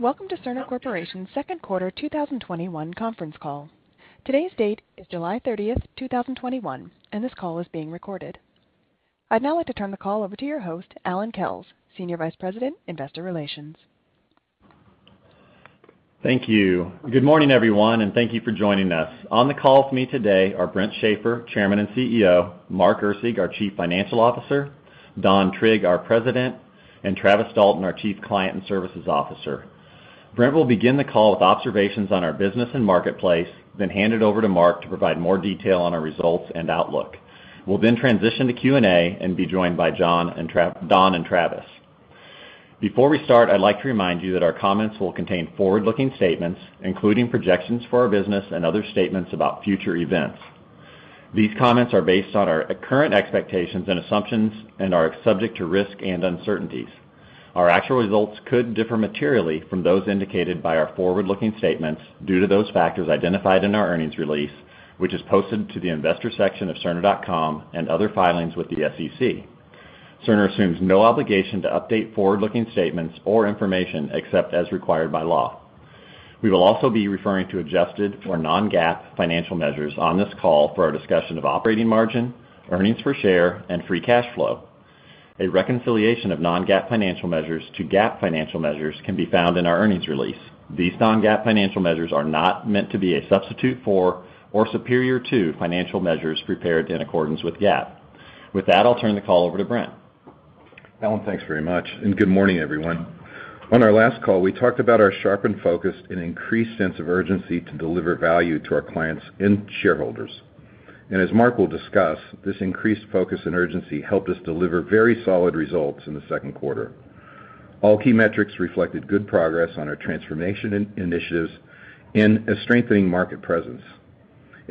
Welcome to Cerner Corporation's second quarter 2021 conference call. Today's date is July 30th, 2021, and this call is being recorded. I'd now like to turn the call over to your host, Allan Kells, Senior Vice President, Investor Relations. Thank you. Good morning, everyone, and thank you for joining us. On the call with me today are Brent Shafer, Chairman and CEO, Mark Erceg, our Chief Financial Officer, Don Trigg, our President, and Travis Dalton, our Chief Client and Services Officer. Brent will begin the call with observations on our business and marketplace, hand it over to Mark to provide more detail on our results and outlook. We'll transition to Q&A and be joined by Don and Travis. Before we start, I'd like to remind you that our comments will contain forward-looking statements, including projections for our business and other statements about future events. These comments are based on our current expectations and assumptions and are subject to risk and uncertainties. Our actual results could differ materially from those indicated by our forward-looking statements due to those factors identified in our earnings release, which is posted to the investor section of cerner.com and other filings with the SEC. Cerner assumes no obligation to update forward-looking statements or information except as required by law. We will also be referring to adjusted or non-GAAP financial measures on this call for our discussion of operating margin, earnings per share, and free cash flow. A reconciliation of non-GAAP financial measures to GAAP financial measures can be found in our earnings release. These non-GAAP financial measures are not meant to be a substitute for or superior to financial measures prepared in accordance with GAAP. With that, I'll turn the call over to Brent. Allan, thanks very much, and good morning, everyone. On our last call, we talked about our sharpened focus and increased sense of urgency to deliver value to our clients and shareholders. As Mark will discuss, this increased focus and urgency helped us deliver very solid results in the second quarter. All key metrics reflected good progress on our transformation initiatives and a strengthening market presence.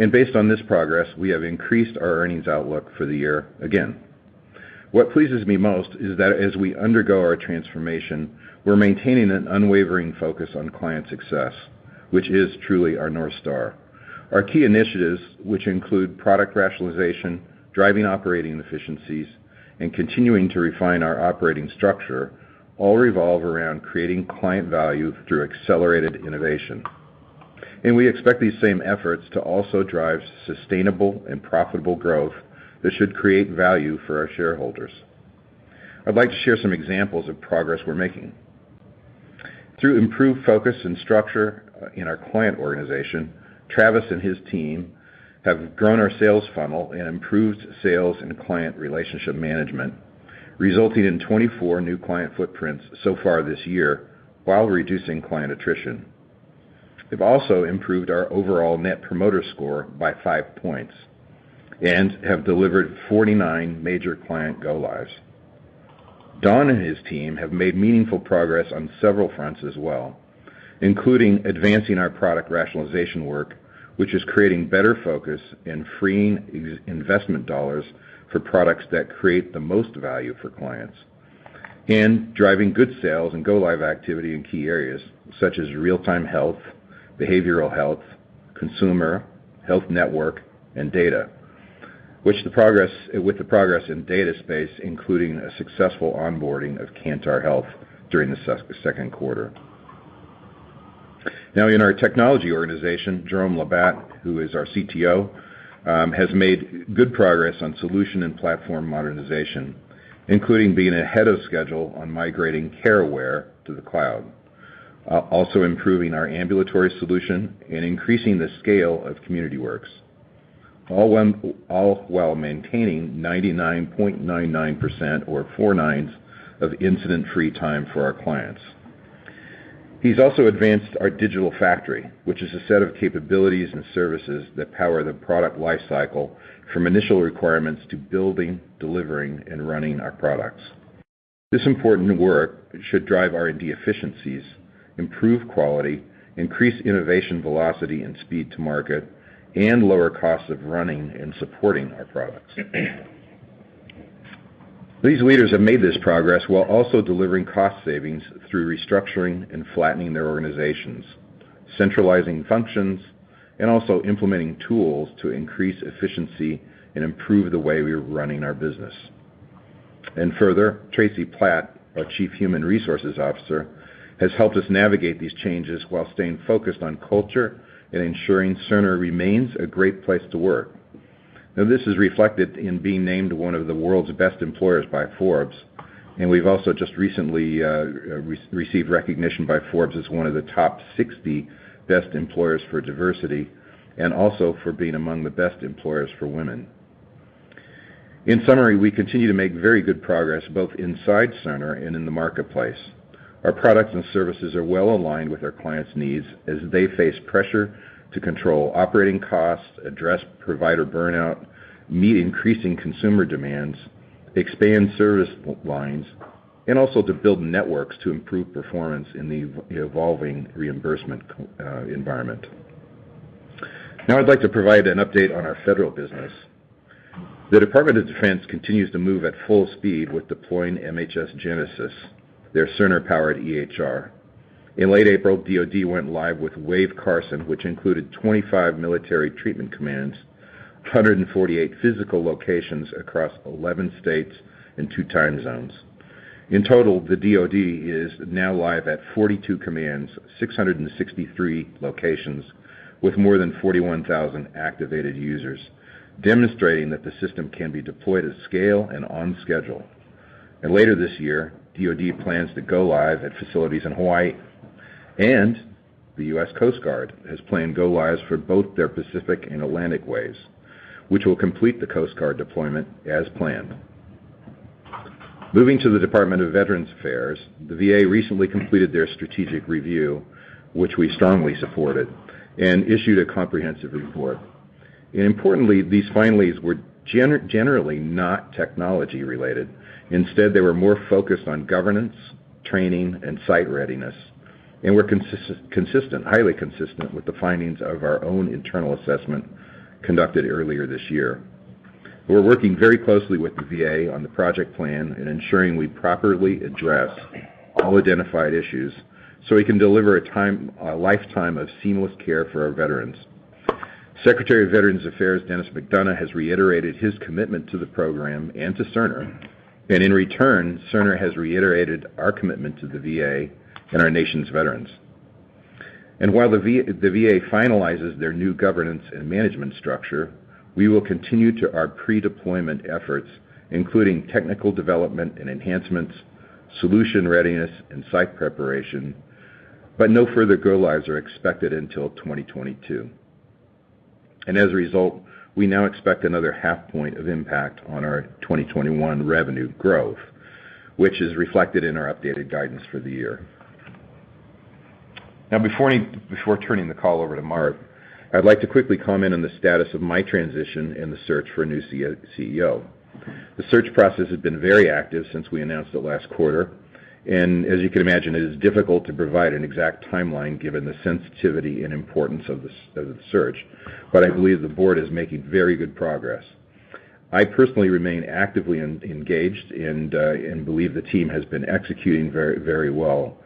Based on this progress, we have increased our earnings outlook for the year again. What pleases me most is that as we undergo our transformation, we're maintaining an unwavering focus on client success, which is truly our North Star. Our key initiatives, which include product rationalization, driving operating efficiencies, and continuing to refine our operating structure, all revolve around creating client value through accelerated innovation. We expect these same efforts to also drive sustainable and profitable growth that should create value for our shareholders. I'd like to share some examples of progress we're making. Through improved focus and structure in our client organization, Travis Dalton and his team have grown our sales funnel and improved sales and client relationship management, resulting in 24 new client footprints so far this year while reducing client attrition. They've also improved our overall Net Promoter Score by five points and have delivered 49 major client go-lives. Don Trigg and his team have made meaningful progress on several fronts as well, including advancing our product rationalization work, which is creating better focus and freeing investment dollars for products that create the most value for clients. Driving good sales and go live activity in key areas such as real-time health system, Behavioral Health, consumer health network, and data. With the progress in data space, including a successful onboarding of Kantar Health during the second quarter. In our technology organization, Jerome Labat, who is our CTO, has made good progress on solution and platform modernization, including being ahead of schedule on migrating CareAware to the cloud. Also improving our ambulatory solution and increasing the scale of CommunityWorks, all while maintaining 99.99% or four nines of incident-free time for our clients. He's also advanced our digital factory, which is a set of capabilities and services that power the product life cycle from initial requirements to building, delivering, and running our products. This important work should drive R&D efficiencies, improve quality, increase innovation velocity and speed to market, and lower costs of running and supporting our products. These leaders have made this progress while also delivering cost savings through restructuring and flattening their organizations, centralizing functions, and also implementing tools to increase efficiency and improve the way we are running our business. Further, Tracy Platt, our Chief Human Resources Officer, has helped us navigate these changes while staying focused on culture and ensuring Cerner remains a great place to work. This is reflected in being named one of the world's best employers by Forbes, and we've also just recently received recognition by Forbes as one of the top 60 best employers for diversity and also for being among the best employers for women. In summary, we continue to make very good progress both inside Cerner and in the marketplace. Our products and services are well aligned with our clients' needs as they face pressure to control operating costs, address provider burnout, meet increasing consumer demands, expand service lines, and also to build networks to improve performance in the evolving reimbursement environment. I'd like to provide an update on our federal business. The Department of Defense continues to move at full speed with deploying MHS GENESIS, their Cerner-powered EHR. In late April, DoD went live with Wave Carson, which included 25 military treatment commands, 148 physical locations across 11 states and two time zones. In total, the DoD is now live at 42 commands, 663 locations with more than 41,000 activated users, demonstrating that the system can be deployed at scale and on schedule. Later this year, DoD plans to go live at facilities in Hawaii, and the US Coast Guard has planned go-lives for both their Pacific and Atlantic waves, which will complete the Coast Guard deployment as planned. Moving to the Department of Veterans Affairs, the VA recently completed their strategic review, which we strongly supported, and issued a comprehensive report. Importantly, these findings were generally not technology related. Instead, they were more focused on governance, training, and site readiness, and were highly consistent with the findings of our own internal assessment conducted earlier this year. We're working very closely with the VA on the project plan and ensuring we properly address all identified issues so we can deliver a lifetime of seamless care for our veterans. Secretary of Veterans Affairs Denis McDonough has reiterated his commitment to the program and to Cerner. In return, Cerner has reiterated our commitment to the VA and our nation's veterans. While the VA finalizes their new governance and management structure, we will continue our pre-deployment efforts, including technical development and enhancements, solution readiness, and site preparation. No further go-lives are expected until 2022. As a result, we now expect another half point of impact on our 2021 revenue growth, which is reflected in our updated guidance for the year. Before turning the call over to Mark, I'd like to quickly comment on the status of my transition and the search for a new CEO. The search process has been very active since we announced it last quarter, and as you can imagine, it is difficult to provide an exact timeline given the sensitivity and importance of the search. I believe the board is making very good progress. I personally remain actively engaged and believe the team has been executing very well.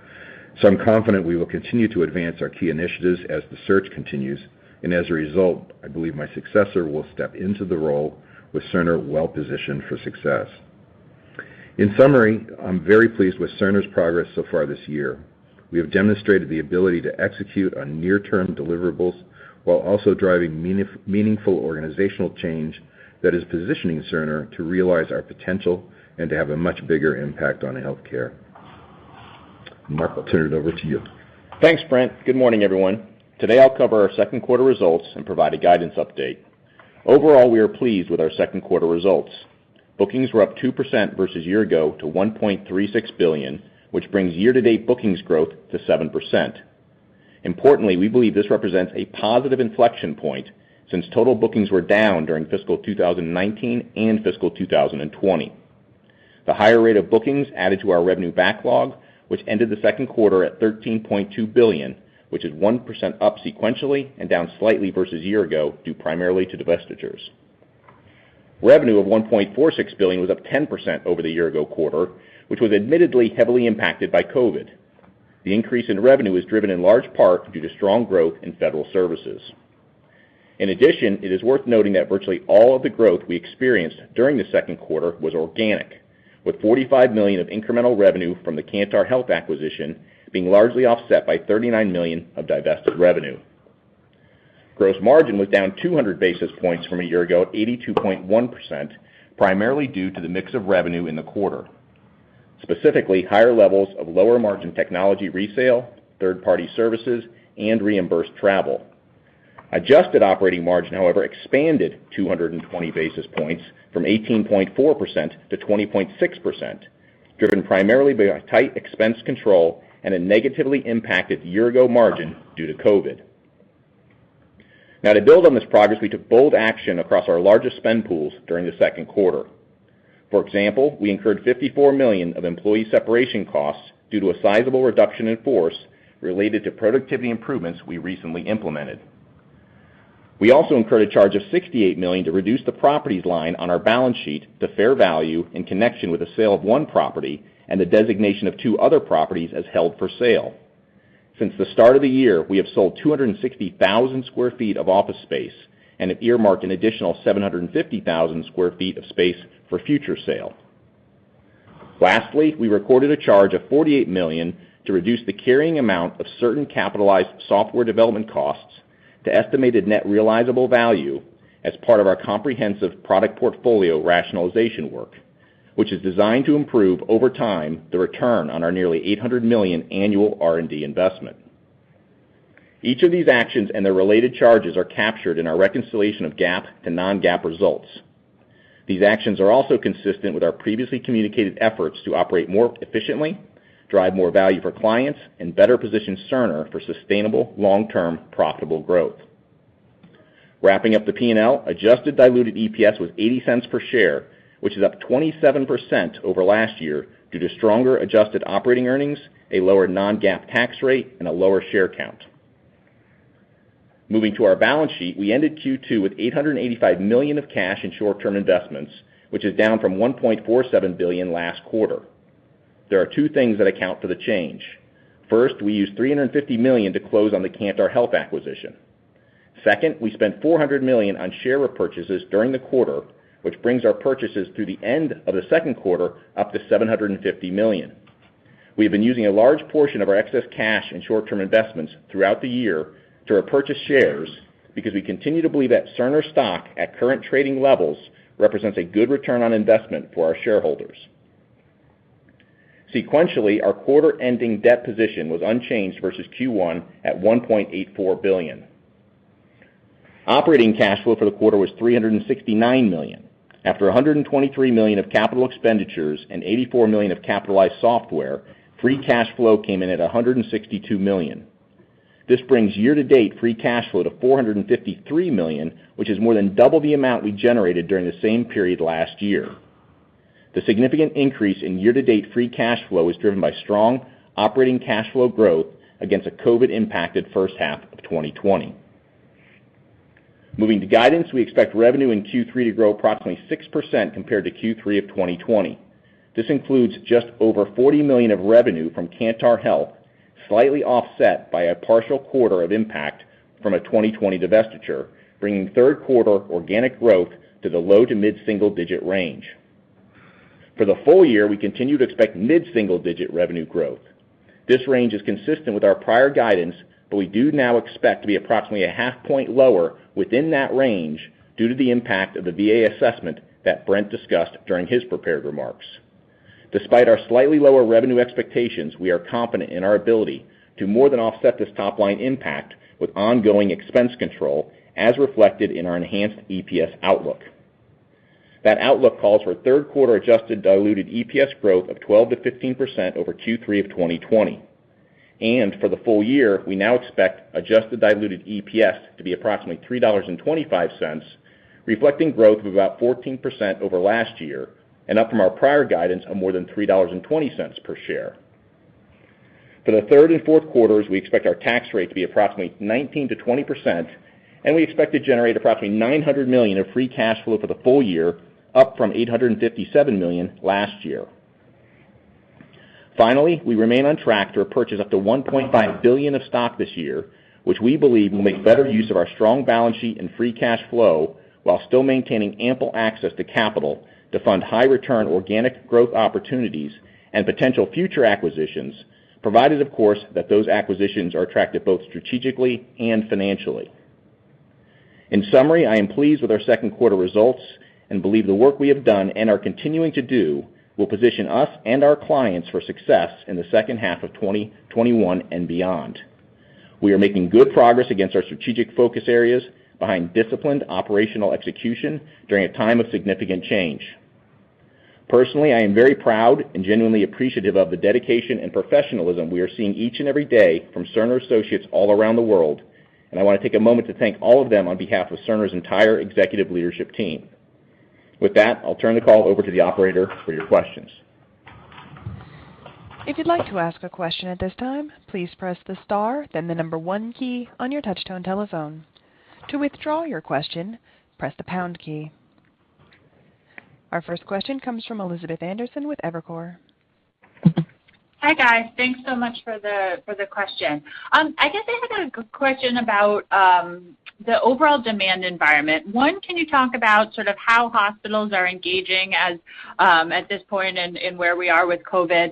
I'm confident we will continue to advance our key initiatives as the search continues, and as a result, I believe my successor will step into the role with Cerner well positioned for success. In summary, I'm very pleased with Cerner's progress so far this year. We have demonstrated the ability to execute on near-term deliverables while also driving meaningful organizational change that is positioning Cerner to realize our potential and to have a much bigger impact on healthcare. Mark, I'll turn it over to you. Thanks, Brent. Good morning, everyone. Today, I'll cover our second quarter results and provide a guidance update. Overall, we are pleased with our second quarter results. Bookings were up 2% versus year ago to $1.36 billion, which brings year-to-date bookings growth to 7%. Importantly, we believe this represents a positive inflection point since total bookings were down during fiscal 2019 and fiscal 2020. The higher rate of bookings added to our revenue backlog, which ended the second quarter at $13.2 billion, which is 1% up sequentially and down slightly versus year ago, due primarily to divestitures. Revenue of $1.46 billion was up 10% over the year ago quarter, which was admittedly heavily impacted by COVID. The increase in revenue is driven in large part due to strong growth in federal services. In addition, it is worth noting that virtually all of the growth we experienced during the second quarter was organic, with $45 million of incremental revenue from the Kantar Health acquisition being largely offset by $39 million of divested revenue. Gross margin was down 200 basis points from a year ago at 82.1%, primarily due to the mix of revenue in the quarter, specifically higher levels of lower margin technology resale, third-party services, and reimbursed travel. Adjusted operating margin, however, expanded 220 basis points from 18.4% to 20.6%, driven primarily by tight expense control and a negatively impacted year-ago margin due to COVID. To build on this progress, we took bold action across our largest spend pools during the second quarter. For example, we incurred $54 million of employee separation costs due to a sizable reduction in force related to productivity improvements we recently implemented. We also incurred a charge of $68 million to reduce the properties line on our balance sheet to fair value in connection with the sale of one property and the designation of two other properties as held for sale. Since the start of the year, we have sold 260,000 sq ft of office space and have earmarked an additional 750,000 sq ft of space for future sale. Lastly, we recorded a charge of $48 million to reduce the carrying amount of certain capitalized software development costs to estimated net realizable value as part of our comprehensive product portfolio rationalization work, which is designed to improve over time the return on our nearly $800 million annual R&D investment. Each of these actions and their related charges are captured in our reconciliation of GAAP to non-GAAP results. These actions are also consistent with our previously communicated efforts to operate more efficiently, drive more value for clients, and better position Cerner for sustainable, long-term, profitable growth. Wrapping up the P&L, adjusted diluted EPS was $0.80 per share, which is up 27% over last year due to stronger adjusted operating earnings, a lower non-GAAP tax rate, and a lower share count. Moving to our balance sheet, we ended Q2 with $885 million of cash and short-term investments, which is down from $1.47 billion last quarter. There are two things that account for the change. First, we used $350 million to close on the Kantar Health acquisition. Second, we spent $400 million on share repurchases during the quarter, which brings our purchases through the end of the second quarter up to $750 million. We have been using a large portion of our excess cash and short-term investments throughout the year to repurchase shares, because we continue to believe that Cerner stock at current trading levels represents a good return on investment for our shareholders. Sequentially, our quarter-ending debt position was unchanged versus Q1 at $1.84 billion. Operating cash flow for the quarter was $369 million. After $123 million of capital expenditures and $84 million of capitalized software, free cash flow came in at $162 million. This brings year-to-date free cash flow to $453 million, which is more than double the amount we generated during the same period last year. The significant increase in year-to-date free cash flow is driven by strong operating cash flow growth against a COVID-impacted first half of 2020. Moving to guidance, we expect revenue in Q3 to grow approximately 6% compared to Q3 of 2020. This includes just over $40 million of revenue from Kantar Health, slightly offset by a partial quarter of impact from a 2020 divestiture, bringing third quarter organic growth to the low to mid-single digit range. For the full year, we continue to expect mid-single digit revenue growth. We do now expect to be approximately a half point lower within that range due to the impact of the VA assessment that Brent discussed during his prepared remarks. Despite our slightly lower revenue expectations, we are confident in our ability to more than offset this top-line impact with ongoing expense control, as reflected in our enhanced EPS outlook. That outlook calls for third quarter adjusted diluted EPS growth of 12% to 15% over Q3 of 2020. For the full year, we now expect adjusted diluted EPS to be approximately $3.25, reflecting growth of about 14% over last year, and up from our prior guidance of more than $3.20 per share. For the third and fourth quarters, we expect our tax rate to be approximately 19%-20%, and we expect to generate approximately $900 million in free cash flow for the full year, up from $857 million last year. Finally, we remain on track to repurchase up to $1.5 billion of stock this year, which we believe will make better use of our strong balance sheet and free cash flow while still maintaining ample access to capital to fund high return organic growth opportunities and potential future acquisitions, provided of course that those acquisitions are attractive both strategically and financially. In summary, I am pleased with our second quarter results and believe the work we have done and are continuing to do will position us and our clients for success in the second half of 2021 and beyond. We are making good progress against our strategic focus areas behind disciplined operational execution during a time of significant change. Personally, I am very proud and genuinely appreciative of the dedication and professionalism we are seeing each and every day from Cerner associates all around the world, and I want to take a moment to thank all of them on behalf of Cerner's entire executive leadership team. With that, I'll turn the call over to the operator for your questions. Our first question comes from Elizabeth Anderson with Evercore. Hi, guys. Thanks so much for the question. I guess I had a question about the overall demand environment. One, can you talk about how hospitals are engaging at this point and where we are with COVID?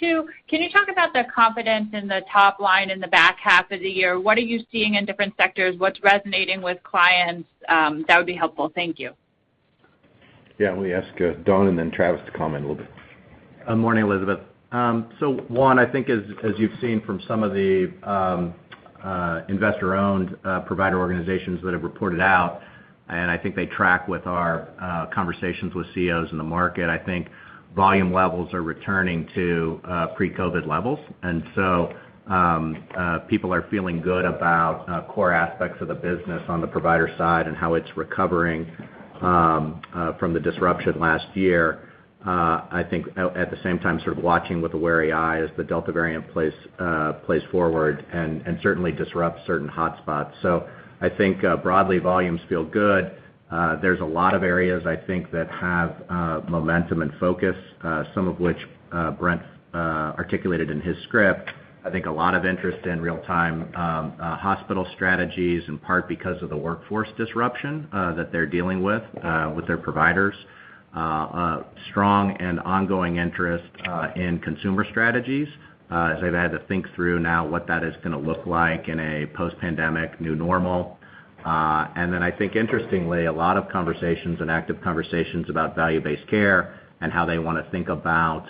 Two, can you talk about the confidence in the top line in the back half of the year? What are you seeing in different sectors? What's resonating with clients? That would be helpful. Thank you. Yeah. Let me ask Don and then Travis to comment a little bit. Morning, Elizabeth. One, I think as you've seen from some of the investor-owned provider organizations that have reported out, I think they track with our conversations with CIOs in the market, I think volume levels are returning to pre-COVID levels. People are feeling good about core aspects of the business on the provider side and how it's recovering from the disruption last year. I think at the same time sort of watching with a wary eye as the Delta variant plays forward and certainly disrupts certain hotspots. I think broadly, volumes feel good. There's a lot of areas I think that have momentum and focus, some of which Brent articulated in his script. I think a lot of interest in real-time hospital strategies, in part because of the workforce disruption that they're dealing with their providers. Strong and ongoing interest in consumer strategies as they've had to think through now what that is going to look like in a post-pandemic new normal. I think interestingly, a lot of conversations and active conversations about value-based care and how they want to think about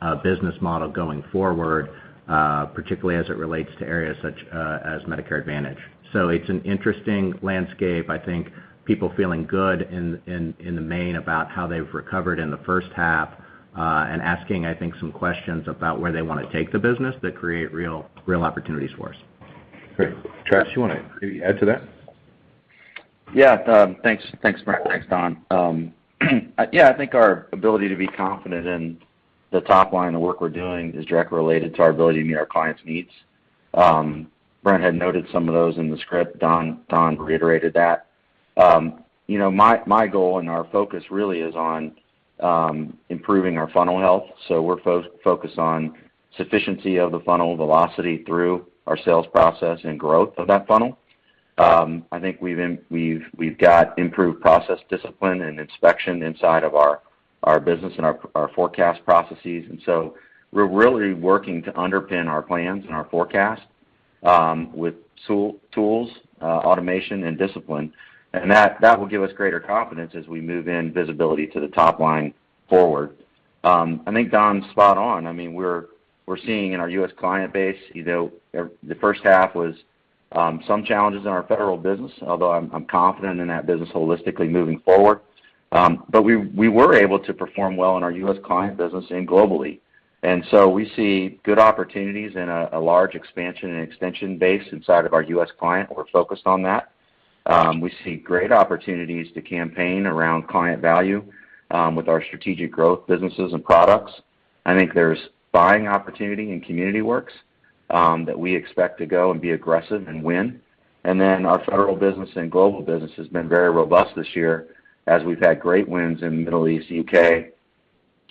a business model going forward, particularly as it relates to areas such as Medicare Advantage. It's an interesting landscape. I think people feeling good in the main about how they've recovered in the first half, and asking I think some questions about where they want to take the business that create real opportunities for us. Great. Travis, you want to add to that? Yeah. Thanks, Brent. Thanks, Don. Yeah, I think our ability to be confident in the top line of work we're doing is directly related to our ability to meet our clients' needs. Brent had noted some of those in the script. Don reiterated that. My goal and our focus really is on improving our funnel health. We're focused on sufficiency of the funnel velocity through our sales process and growth of that funnel. I think we've got improved process discipline and inspection inside of our business and our forecast processes. We're really working to underpin our plans and our forecast with tools, automation, and discipline. That will give us greater confidence as we move in visibility to the top line forward. I think Don's spot on. We're seeing in our U.S. client base, the first half was some challenges in our federal business, although I'm confident in that business holistically moving forward. We were able to perform well in our U.S. client business and globally. We see good opportunities and a large expansion and extension base inside of our U.S. client. We're focused on that. We see great opportunities to campaign around client value with our strategic growth businesses and products. I think there's buying opportunity in CommunityWorks that we expect to go and be aggressive and win. Our federal business and global business has been very robust this year as we've had great wins in Middle East, U.K.,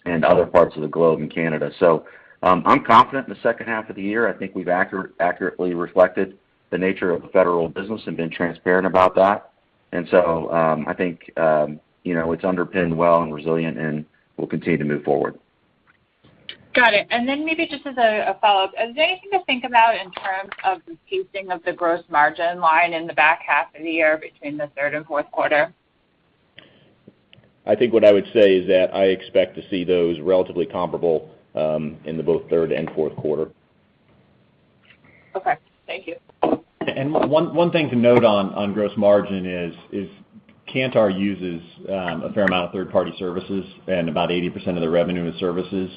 and other parts of the globe, and Canada. I'm confident in the second half of the year. I think we've accurately reflected the nature of the federal business and been transparent about that. I think it's underpinned well and resilient, and we'll continue to move forward. Got it. Maybe just as a follow-up, is there anything to think about in terms of the pacing of the gross margin line in the back half of the year between the third and fourth quarter? I think what I would say is that I expect to see those relatively comparable in the both third and fourth quarter. Okay. Thank you. One thing to note on gross margin is Kantar uses a fair amount of third-party services and about 80% of the revenue is services.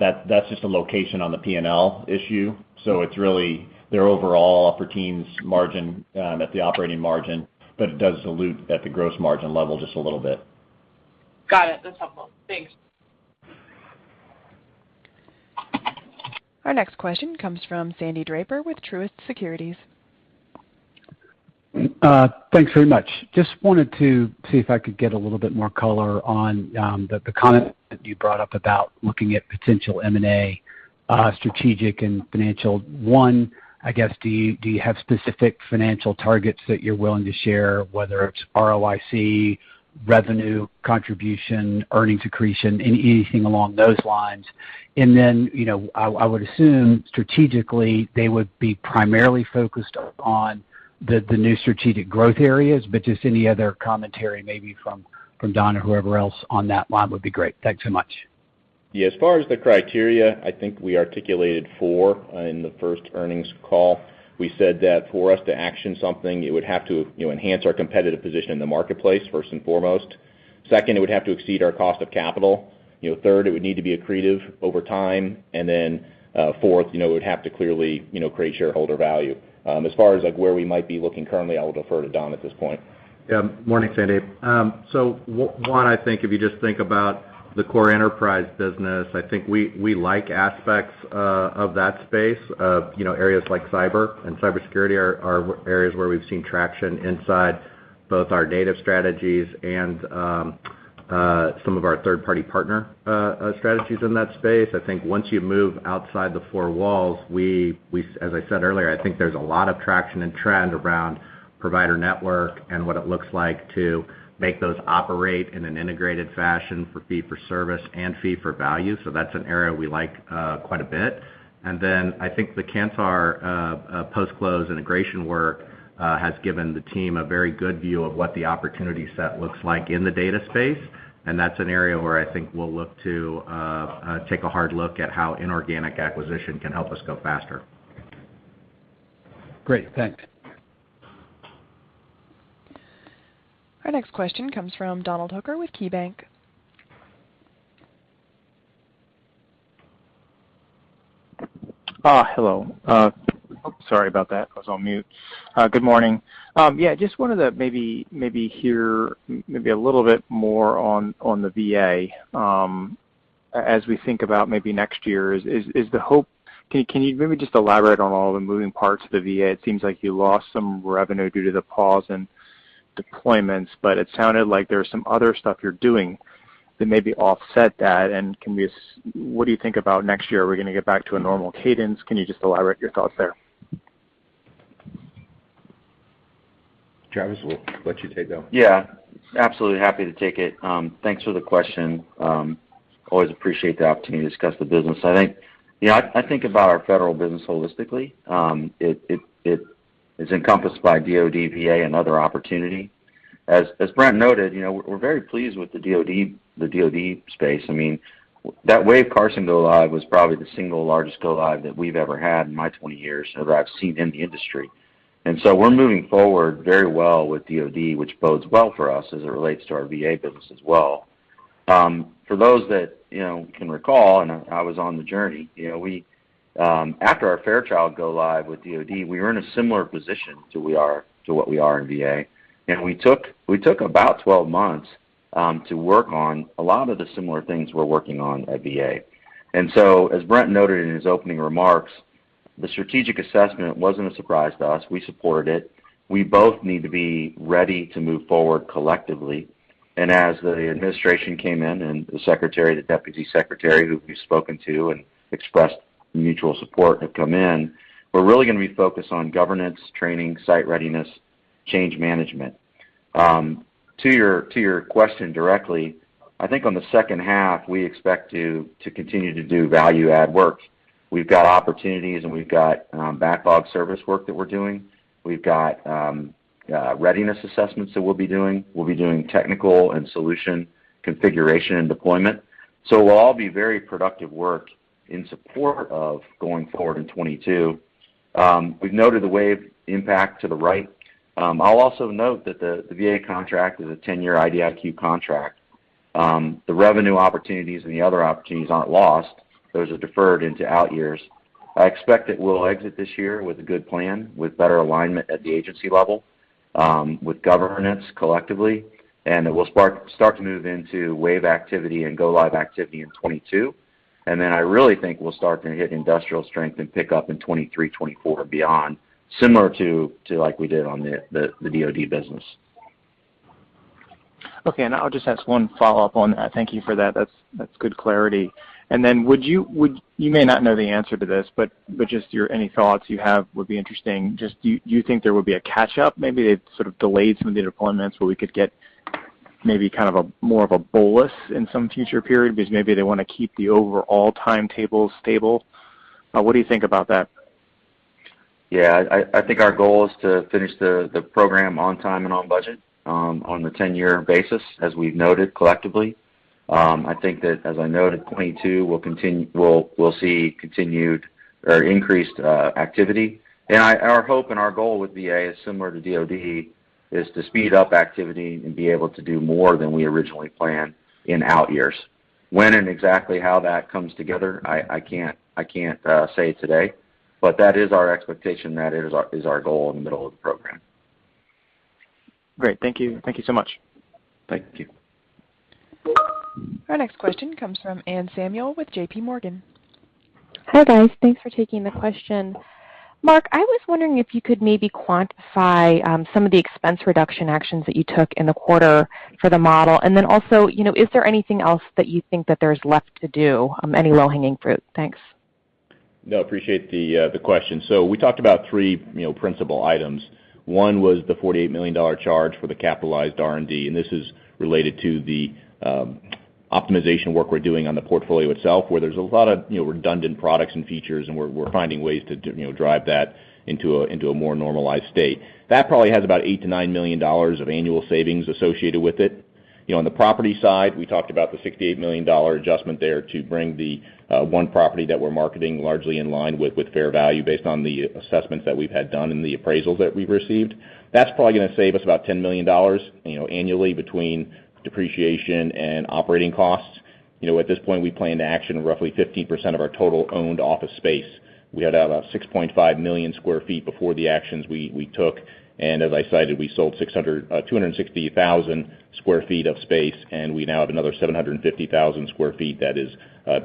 That's just a location on the P&L issue. It's really their overall operating margin at the operating margin. It does dilute at the gross margin level just a little bit. Got it. That's helpful. Thanks. Our next question comes from Sandy Draper with Truist Securities. Thanks very much. Just wanted to see if I could get a little bit more color on the comment that you brought up about looking at potential M&A, strategic and financial. One, I guess, do you have specific financial targets that you're willing to share, whether it's ROIC, revenue, contribution, earnings accretion, anything along those lines? I would assume strategically they would be primarily focused on the new strategic growth areas, but just any other commentary maybe from Don or whoever else on that line would be great. Thanks so much. Yeah, as far as the criteria, I think we articulated four in the first earnings call. We said that for us to action something, it would have to enhance our competitive position in the marketplace, first and foremost. Second, it would have to exceed our cost of capital. Third, it would need to be accretive over time. Fourth, it would have to clearly create shareholder value. As far as where we might be looking currently, I will defer to Don Trigg at this point. Yeah. Morning, Sandy Draper. One, I think if you just think about the core enterprise business, I think we like aspects of that space of areas like cyber and cybersecurity are areas where we've seen traction inside both our data strategies and some of our third-party partner strategies in that space. I think once you move outside the four walls, as I said earlier, I think there's a lot of traction and trend around provider network and what it looks like to make those operate in an integrated fashion for fee for service and fee for value. That's an area we like quite a bit. I think the Kantar post-close integration work has given the team a very good view of what the opportunity set looks like in the data space. That's an area where I think we'll look to take a hard look at how inorganic acquisition can help us go faster. Great. Thanks. Our next question comes from Donald Hooker with KeyBank. Hello. Sorry about that. I was on mute. Good morning. Just wanted to hear a little bit more on the VA. As we think about next year, can you just elaborate on all the moving parts of the VA? It seems like you lost some revenue due to the pause and deployments, but it sounded like there's some other stuff you're doing that maybe offset that. What do you think about next year? Are we going to get back to a normal cadence? Can you just elaborate your thoughts there? Travis, we'll let you take that one. Yeah. Absolutely happy to take it. Thanks for the question. Always appreciate the opportunity to discuss the business. I think about our federal business holistically. It is encompassed by DoD, VA, and other opportunity. As Brent noted, we're very pleased with the DoD space. That Wave Carson go-live was probably the single largest go-live that we've ever had in my 20 years, or I've seen in the industry. We're moving forward very well with DoD, which bodes well for us as it relates to our VA business as well. For those that can recall, and I was on the journey, after our Fairchild go-live with DoD, we were in a similar position to what we are in VA. We took about 12 months to work on a lot of the similar things we're working on at VA. As Brent noted in his opening remarks, the strategic assessment wasn't a surprise to us. We supported it. We both need to be ready to move forward collectively. As the administration came in and the Secretary, the Deputy Secretary, who we've spoken to and expressed mutual support, have come in, we're really going to be focused on governance, training, site readiness, change management. To your question directly, I think on the second half, we expect to continue to do value-add work. We've got opportunities, and we've got backlog service work that we're doing. We've got readiness assessments that we'll be doing. We'll be doing technical and solution configuration and deployment. It will all be very productive work in support of going forward in 2022. We've noted the wave impact to the right. I'll also note that the VA contract is a 10-year IDIQ contract. The revenue opportunities and the other opportunities aren't lost. Those are deferred into out years. I expect that we'll exit this year with a good plan, with better alignment at the agency level, with governance collectively, and that we'll start to move into wave activity and go-live activity in 2022. I really think we'll start to hit industrial strength and pick up in 2023, 2024 or beyond, similar to like we did on the DOD business. Okay. I'll just ask one follow-up on that. Thank you for that. That's good clarity. You may not know the answer to this, but just any thoughts you have would be interesting. Just do you think there would be a catch-up? Maybe they've sort of delayed some of the deployments where we could get maybe kind of more of a bolus in some future period because maybe they want to keep the overall timetable stable. What do you think about that? Yeah, I think our goal is to finish the program on time and on budget on the 10-year basis, as we've noted collectively. I think that, as I noted, 2022 we'll see continued or increased activity. Our hope and our goal with VA is similar to DOD, is to speed up activity and be able to do more than we originally planned in out years. When and exactly how that comes together, I can't say today, but that is our expectation. That is our goal in the middle of the program. Great. Thank you. Thank you so much. Thank you. Our next question comes from Anne Samuel with JP Morgan. Hi, guys. Thanks for taking the question. Mark, I was wondering if you could maybe quantify some of the expense reduction actions that you took in the quarter for the model. Is there anything else that you think that there's left to do? Any low-hanging fruit? Thanks. No, appreciate the question. We talked about three principal items. One was the $48 million charge for the capitalized R&D, and this is related to the optimization work we're doing on the portfolio itself, where there's a lot of redundant products and features, and we're finding ways to drive that into a more normalized state. That probably has about $8 million-$9 million of annual savings associated with it. On the property side, we talked about the $68 million adjustment there to bring the one property that we're marketing largely in line with fair value based on the assessments that we've had done and the appraisals that we've received. That's probably going to save us about $10 million annually between depreciation and operating costs. At this point, we plan to action roughly 15% of our total owned office space. We had about 6.5 million square feet before the actions we took. As I cited, we sold 260,000 square feet of space. We now have another 750,000 square feet that is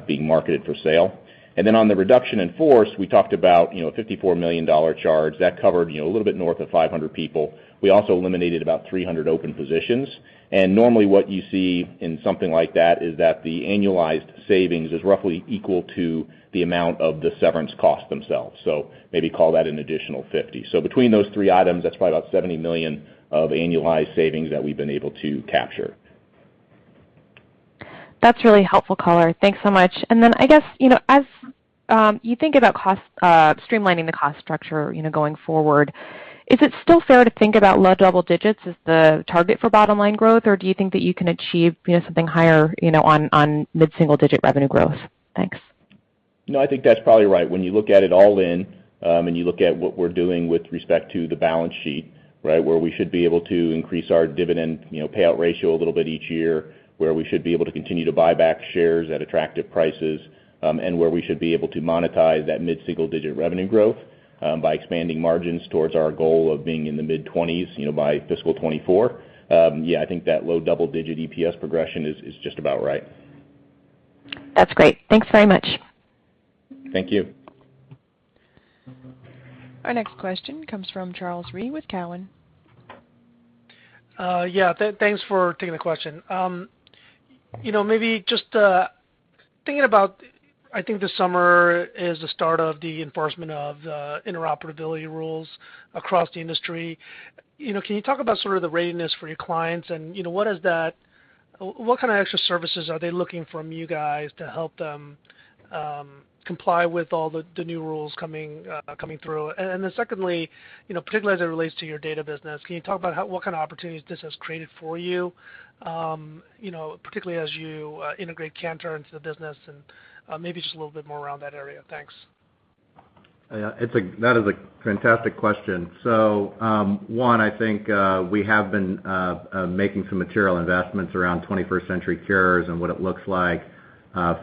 being marketed for sale. On the reduction in force, we talked about a $54 million charge. That covered a little bit north of 500 people. We also eliminated about 300 open positions. Normally what you see in something like that is that the annualized savings is roughly equal to the amount of the severance cost themselves. Maybe call that an additional $50 million. Between those three items, that's probably about $70 million of annualized savings that we've been able to capture. That's really helpful color. Thanks so much. Then I guess, as you think about streamlining the cost structure going forward, is it still fair to think about low double digits as the target for bottom-line growth, or do you think that you can achieve something higher on mid-single-digit revenue growth? Thanks. No, I think that's probably right. When you look at it all in, and you look at what we're doing with respect to the balance sheet, where we should be able to increase our dividend payout ratio a little bit each year, where we should be able to continue to buy back shares at attractive prices, and where we should be able to monetize that mid-single-digit revenue growth by expanding margins towards our goal of being in the mid-20s by FY 2024. Yeah, I think that low double-digit EPS progression is just about right. That's great. Thanks very much. Thank you. Our next question comes from Charles Rhyee with Cowen. Yeah, thanks for taking the question. Maybe just thinking about, I think this summer is the start of the enforcement of the interoperability rules across the industry. Can you talk about sort of the readiness for your clients, and what kind of extra services are they looking from you guys to help them comply with all the new rules coming through? Secondly, particularly as it relates to your data business, can you talk about what kind of opportunities this has created for you, particularly as you integrate Kantar into the business and maybe just a little bit more around that area? Thanks. That is a fantastic question. One, I think we have been making some material investments around 21st Century Cures and what it looks like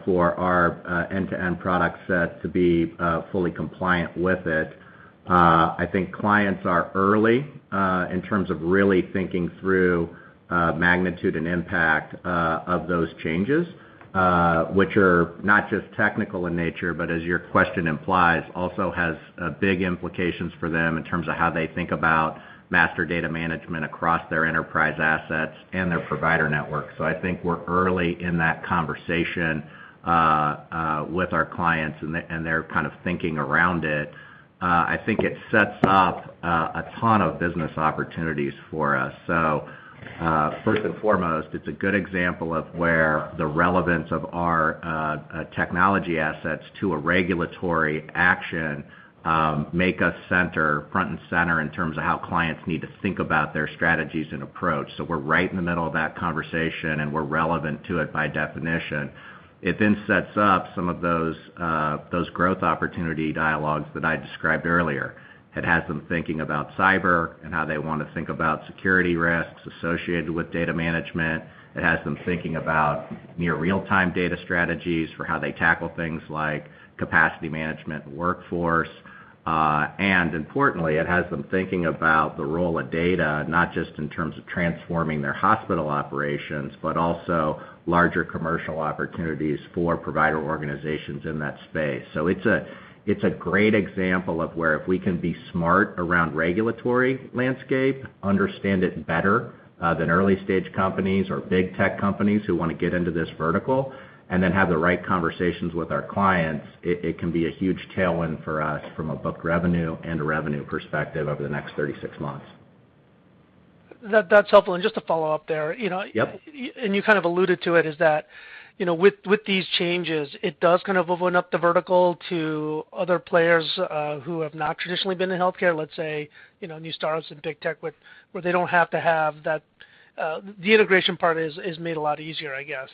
for our end-to-end product set to be fully compliant with it. I think clients are early in terms of really thinking through magnitude and impact of those changes, which are not just technical in nature, but as your question implies, also has big implications for them in terms of how they think about master data management across their enterprise assets and their provider network. I think we're early in that conversation with our clients and their kind of thinking around it. I think it sets up a ton of business opportunities for us. First and foremost, it's a good example of where the relevance of our technology assets to a regulatory action make us front and center in terms of how clients need to think about their strategies and approach. We're right in the middle of that conversation, and we're relevant to it by definition. It sets up some of those growth opportunity dialogues that I described earlier. It has them thinking about cyber and how they want to think about security risks associated with data management. It has them thinking about near real-time data strategies for how they tackle things like capacity management workforce. Importantly, it has them thinking about the role of data, not just in terms of transforming their hospital operations, but also larger commercial opportunities for provider organizations in that space. It's a great example of where if we can be smart around regulatory landscape, understand it better than early-stage companies or big tech companies who want to get into this vertical, and then have the right conversations with our clients, it can be a huge tailwind for us from a booked revenue and a revenue perspective over the next 36 months. That's helpful, and just to follow up there. Yep and you kind of alluded to it, is that, with these changes, it does kind of open up the vertical to other players who have not traditionally been in healthcare, let's say, new startups in big tech where they don't have to have the integration part is made a lot easier, I guess.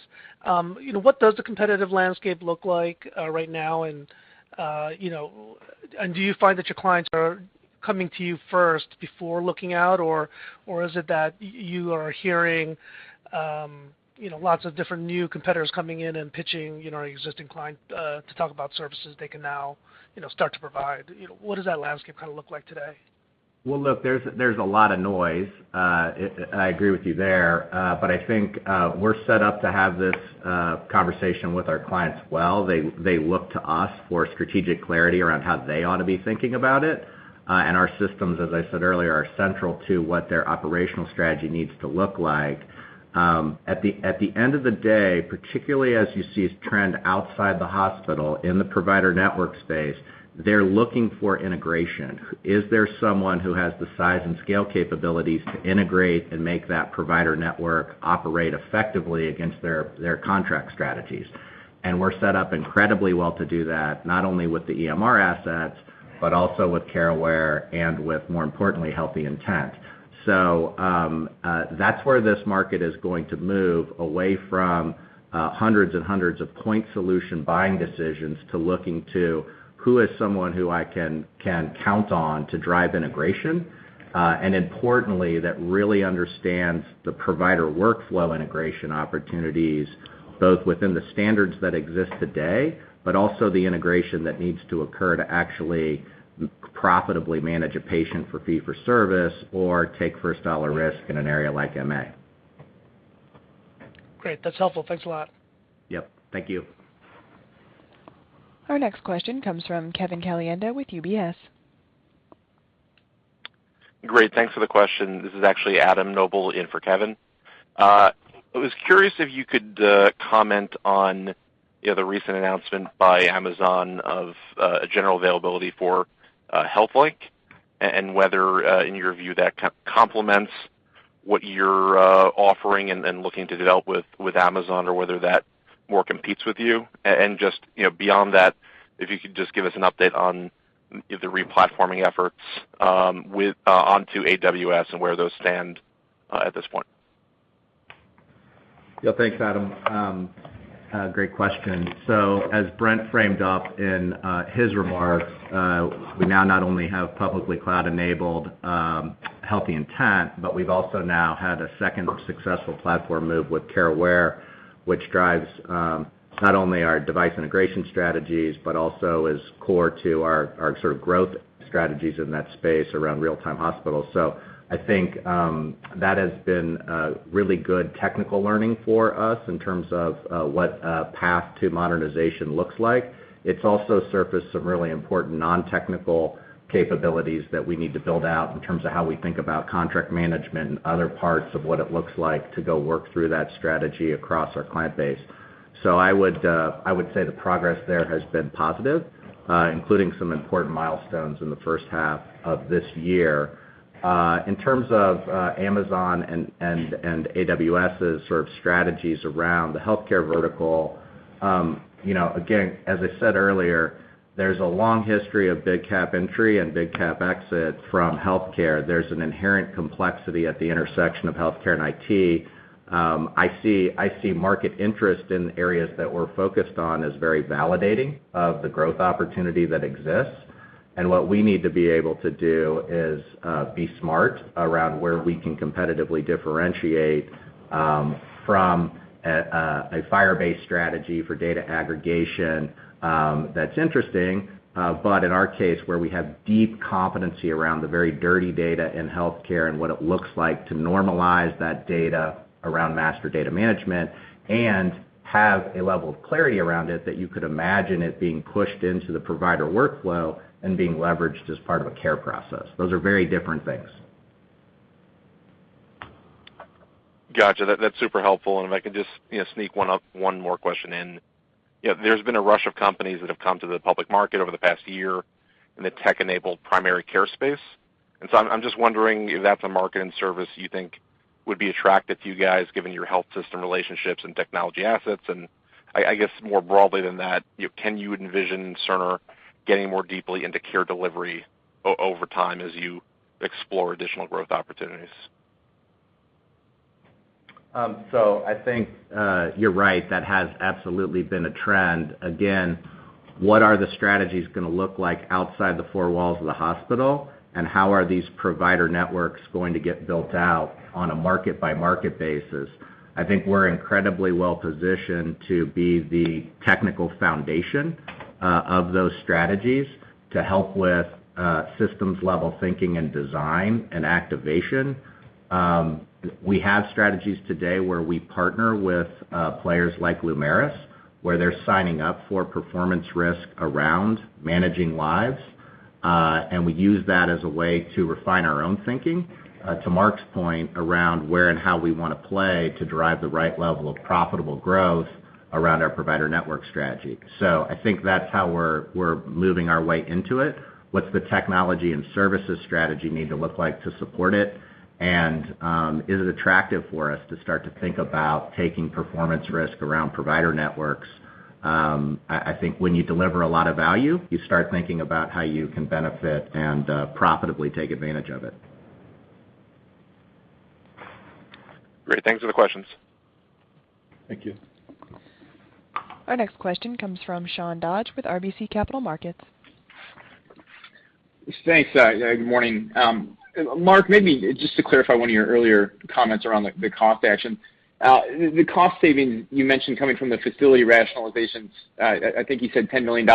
What does the competitive landscape look like right now? Do you find that your clients are coming to you first before looking out, or is it that you are hearing lots of different new competitors coming in and pitching an existing client to talk about services they can now start to provide? What does that landscape look like today? Well, look, there's a lot of noise. I agree with you there. I think we're set up to have this conversation with our clients well. They look to us for strategic clarity around how they ought to be thinking about it. Our systems, as I said earlier, are central to what their operational strategy needs to look like. At the end of the day, particularly as you see a trend outside the hospital in the provider network space, they're looking for integration. Is there someone who has the size and scale capabilities to integrate and make that provider network operate effectively against their contract strategies? We're set up incredibly well to do that, not only with the EMR assets, but also with CareAware and with, more importantly, HealtheIntent. That's where this market is going to move away from hundreds and hundreds of point solution buying decisions to looking to who is someone who I can count on to drive integration, and importantly, that really understands the provider workflow integration opportunities, both within the standards that exist today, but also the integration that needs to occur to actually profitably manage a patient for fee for service or take first-dollar risk in an area like MA. Great. That's helpful. Thanks a lot. Yep. Thank you. Our next question comes from Kevin Caliendo with UBS. Great. Thanks for the question. This is actually Adam Noble in for Kevin. I was curious if you could comment on the recent announcement by Amazon of a general availability for Amazon HealthLake and whether, in your view, that complements what you're offering and looking to develop with Amazon or whether that more competes with you. Just beyond that, if you could just give us an update on the re-platforming efforts onto AWS and where those stand at this point. Thanks, Adam. Great question. As Brent framed up in his remarks, we now not only have publicly cloud-enabled HealtheIntent, but we've also now had a second successful platform move with CareAware, which drives not only our device integration strategies, but also is core to our sort of growth strategies in that space around real-time hospitals. I think that has been a really good technical learning for us in terms of what a path to modernization looks like. It's also surfaced some really important non-technical capabilities that we need to build out in terms of how we think about contract management and other parts of what it looks like to go work through that strategy across our client base. I would say the progress there has been positive, including some important milestones in the first half of this year. In terms of Amazon and AWS' sort of strategies around the healthcare vertical, again, as I said earlier, there's a long history of big cap entry and big cap exit from healthcare. There's an inherent complexity at the intersection of healthcare and IT. I see market interest in areas that we're focused on as very validating of the growth opportunity that exists. What we need to be able to do is be smart around where we can competitively differentiate from a FHIR-based strategy for data aggregation. That's interesting, but in our case, where we have deep competency around the very dirty data in healthcare and what it looks like to normalize that data around master data management and have a level of clarity around it that you could imagine it being pushed into the provider workflow and being leveraged as part of a care process. Those are very different things. Got you. That's super helpful. If I could just sneak one more question in. There's been a rush of companies that have come to the public market over the past year in the tech-enabled primary care space. I'm just wondering if that's a market and service you think would be attractive to you guys, given your health system relationships and technology assets. I guess more broadly than that, can you envision Cerner getting more deeply into care delivery over time as you explore additional growth opportunities? I think you're right, that has absolutely been a trend. Again, what are the strategies going to look like outside the four walls of the hospital, and how are these provider networks going to get built out on a market-by-market basis? I think we're incredibly well positioned to be the technical foundation of those strategies to help with systems-level thinking and design and activation. We have strategies today where we partner with players like Lumeris, where they're signing up for performance risk around managing lives. We use that as a way to refine our own thinking, to Mark's point, around where and how we want to play to drive the right level of profitable growth around our provider network strategy. I think that's how we're moving our way into it. What's the technology and services strategy need to look like to support it? Is it attractive for us to start to think about taking performance risk around provider networks? I think when you deliver a lot of value, you start thinking about how you can benefit and profitably take advantage of it. Great. Thanks for the questions. Thank you. Our next question comes from Sean Dodge with RBC Capital Markets. Thanks. Good morning. Mark, maybe just to clarify one of your earlier comments around the cost action. The cost savings you mentioned coming from the facility rationalizations, I think you said $10 million.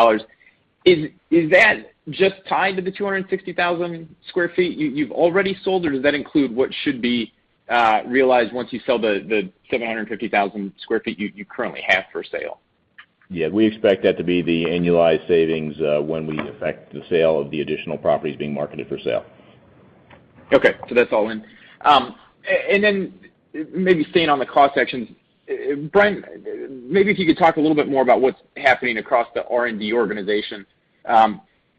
Is that just tied to the 260,000 sq ft you've already sold, or does that include what should be realized once you sell the 750,000 sq ft you currently have for sale? Yeah, we expect that to be the annualized savings when we effect the sale of the additional properties being marketed for sale. That's all in. Maybe staying on the cost actions, Brent, maybe if you could talk a little bit more about what's happening across the R&D organization.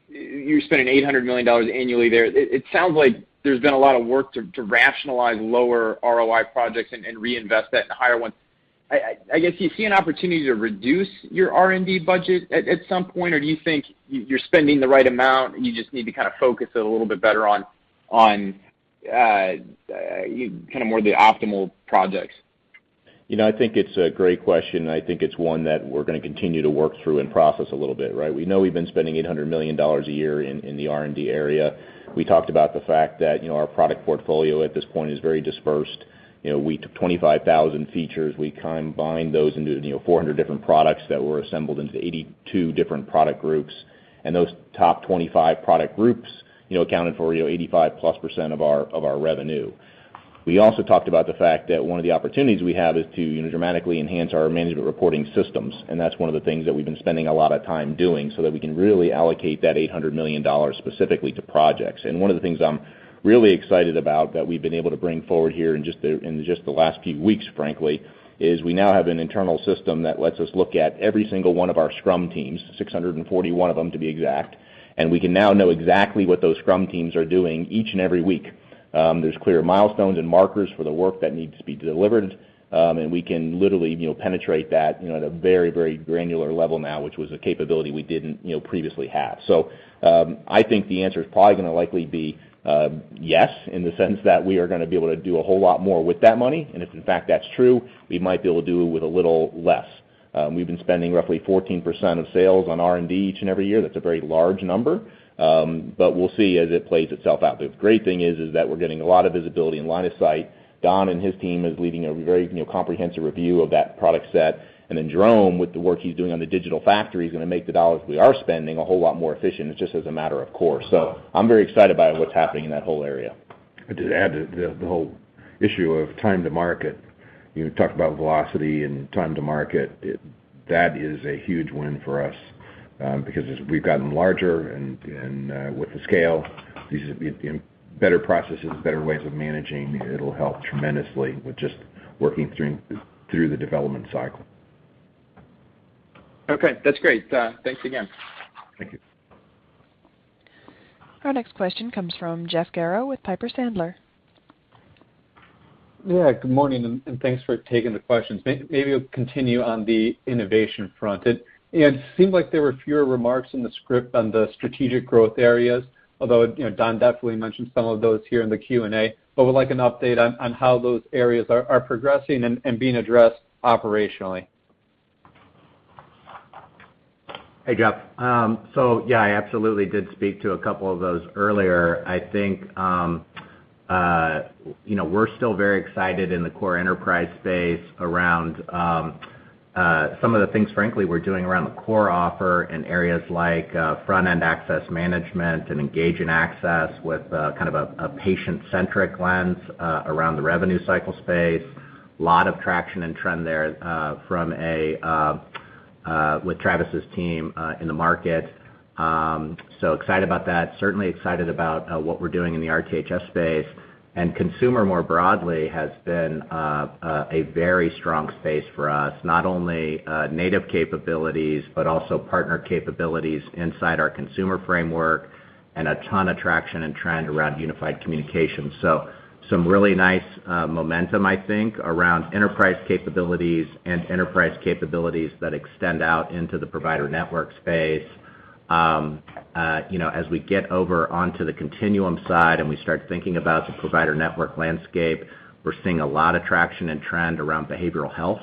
You're spending $800 million annually there. It sounds like there's been a lot of work to rationalize lower ROI projects and reinvest that in higher ones. I guess, do you see an opportunity to reduce your R&D budget at some point, or do you think you're spending the right amount, and you just need to kind of focus it a little bit better on kind of more the optimal projects? I think it's a great question, and I think it's one that we're going to continue to work through and process a little bit, right? We know we've been spending $800 million a year in the R&D area. We talked about the fact that our product portfolio at this point is very dispersed. We took 25,000 features. We combined those into 400 different products that were assembled into 82 different product groups. Those top 25 product groups accounted for 85+% of our revenue. We also talked about the fact that one of the opportunities we have is to dramatically enhance our management reporting systems, and that's one of the things that we've been spending a lot of time doing so that we can really allocate that $800 million specifically to projects. One of the things I am really excited about that we have been able to bring forward here in just the last few weeks, frankly, is we now have an internal system that lets us look at every single one of our Scrum teams, 641 of them to be exact. We can now know exactly what those Scrum teams are doing each and every week. There is clear milestones and markers for the work that needs to be delivered. We can literally penetrate that at a very granular level now, which was a capability we did not previously have. I think the answer is probably going to likely be yes, in the sense that we are going to be able to do a whole lot more with that money. If, in fact, that is true, we might be able to do it with a little less. We've been spending roughly 14% of sales on R&D each and every year. That's a very large number. We'll see as it plays itself out. The great thing is that we're getting a lot of visibility and line of sight. Don and his team is leading a very comprehensive review of that product set. Jerome, with the work he's doing on the digital factory, is going to make the dollars we are spending a whole lot more efficient. It's just as a matter of course. I'm very excited about what's happening in that whole area. To add to the whole issue of time to market. You talked about velocity and time to market. That is a huge win for us because as we've gotten larger and with the scale, these better processes, better ways of managing, it'll help tremendously with just working through the development cycle. Okay. That's great. Thanks again. Thank you. Our next question comes from Jeff Garro with Piper Sandler. Yeah. Good morning, and thanks for taking the questions. Maybe you'll continue on the innovation front. It seemed like there were fewer remarks in the script on the strategic growth areas, although Don definitely mentioned some of those here in the Q&A. Would like an update on how those areas are progressing and being addressed operationally. Hey, Jeff. Yeah, I absolutely did speak to a couple of those earlier. I think we're still very excited in the core enterprise space around some of the things, frankly, we're doing around the core offer in areas like front-end access management and engage and access with a patient-centric lens around the revenue cycle space. Lot of traction and trend there with Travis's team in the market. Excited about that. Certainly excited about what we're doing in the RTHS space. Consumer, more broadly, has been a very strong space for us. Not only native capabilities, but also partner capabilities inside our consumer framework, and a ton of traction and trend around unified communications. Some really nice momentum, I think, around enterprise capabilities and enterprise capabilities that extend out into the provider network space. As we get over onto the continuum side and we start thinking about the provider network landscape, we're seeing a lot of traction and trend around behavioral health.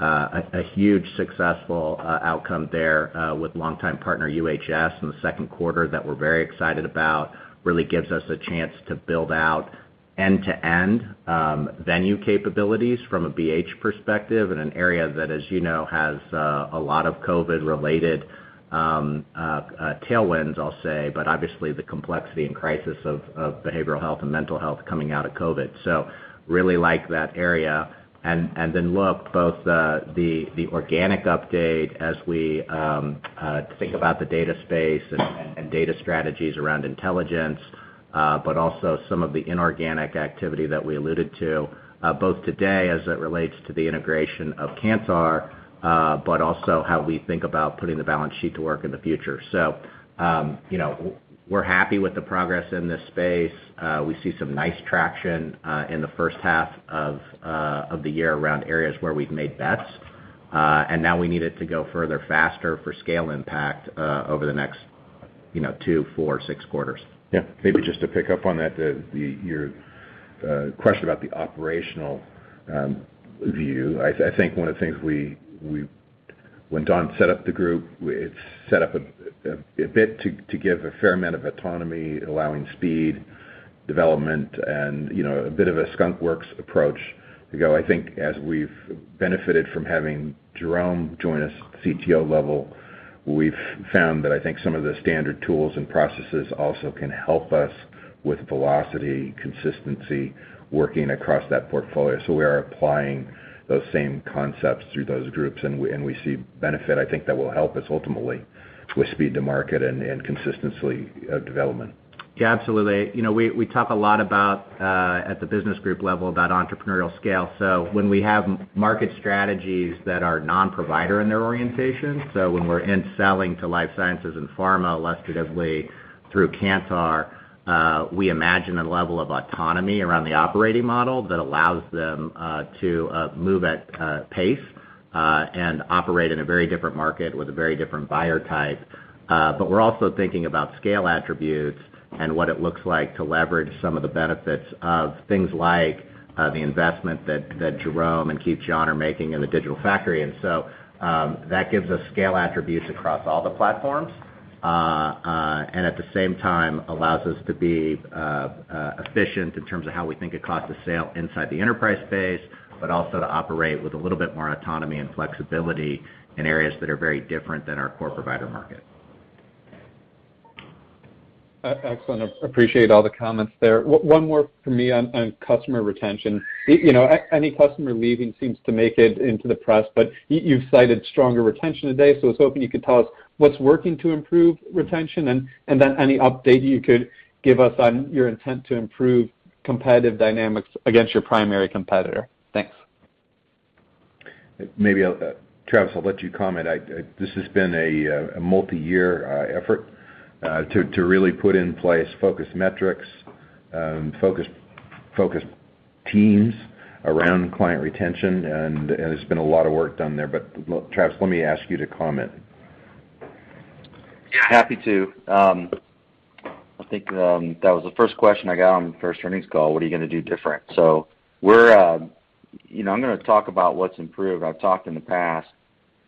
A huge successful outcome there with longtime partner, UHS, in the second quarter that we're very excited about, really gives us a chance to build out end-to-end venue capabilities from a BH perspective in an area that, as you know, has a lot of COVID-related tailwinds, I'll say, but obviously the complexity and crisis of behavioral health and mental health coming out of COVID. Really like that area. Look, both the organic update as we think about the data space and data strategies around intelligence, but also some of the inorganic activity that we alluded to, both today as it relates to the integration of Kantar, but also how we think about putting the balance sheet to work in the future. We're happy with the progress in this space. We see some nice traction in the first half of the year around areas where we've made bets. Now we need it to go further faster for scale impact over the next two, four, six quarters. Yeah. Maybe just to pick up on that, your question about the operational view. I think one of the things when Don set up the group, it's set up a bit to give a fair amount of autonomy, allowing speed, development, and a bit of a skunkworks approach to go. I think as we've benefited from having Jerome join us CTO level, we've found that I think some of the standard tools and processes also can help us with velocity, consistency, working across that portfolio. We are applying those same concepts through those groups, and we see benefit, I think that will help us ultimately with speed to market and consistency of development. Yeah, absolutely. We talk a lot about, at the business group level, about entrepreneurial scale. When we have market strategies that are non-provider in their orientation, when we're in selling to life sciences and pharma illustratively through Kantar, we imagine a level of autonomy around the operating model that allows them to move at pace, and operate in a very different market with a very different buyer type. We're also thinking about scale attributes and what it looks like to leverage some of the benefits of things like the investment that Jerome and Keith John are making in the digital factory. That gives us scale attributes across all the platforms. At the same time, allows us to be efficient in terms of how we think of cost of sale inside the enterprise space, but also to operate with a little bit more autonomy and flexibility in areas that are very different than our core provider market. Excellent. Appreciate all the comments there. One more from me on customer retention. Any customer leaving seems to make it into the press, but you've cited stronger retention today, so I was hoping you could tell us what's working to improve retention and then any update you could give us on your intent to improve competitive dynamics against your primary competitor. Thanks. Maybe, Travis, I'll let you comment. This has been a multi-year effort to really put in place focus metrics, focused teams around client retention, and there's been a lot of work done there. Travis, let me ask you to comment. Yeah, happy to. I think that was the first question I got on the first earnings call, what are you going to do different? I'm going to talk about what's improved. I've talked in the past.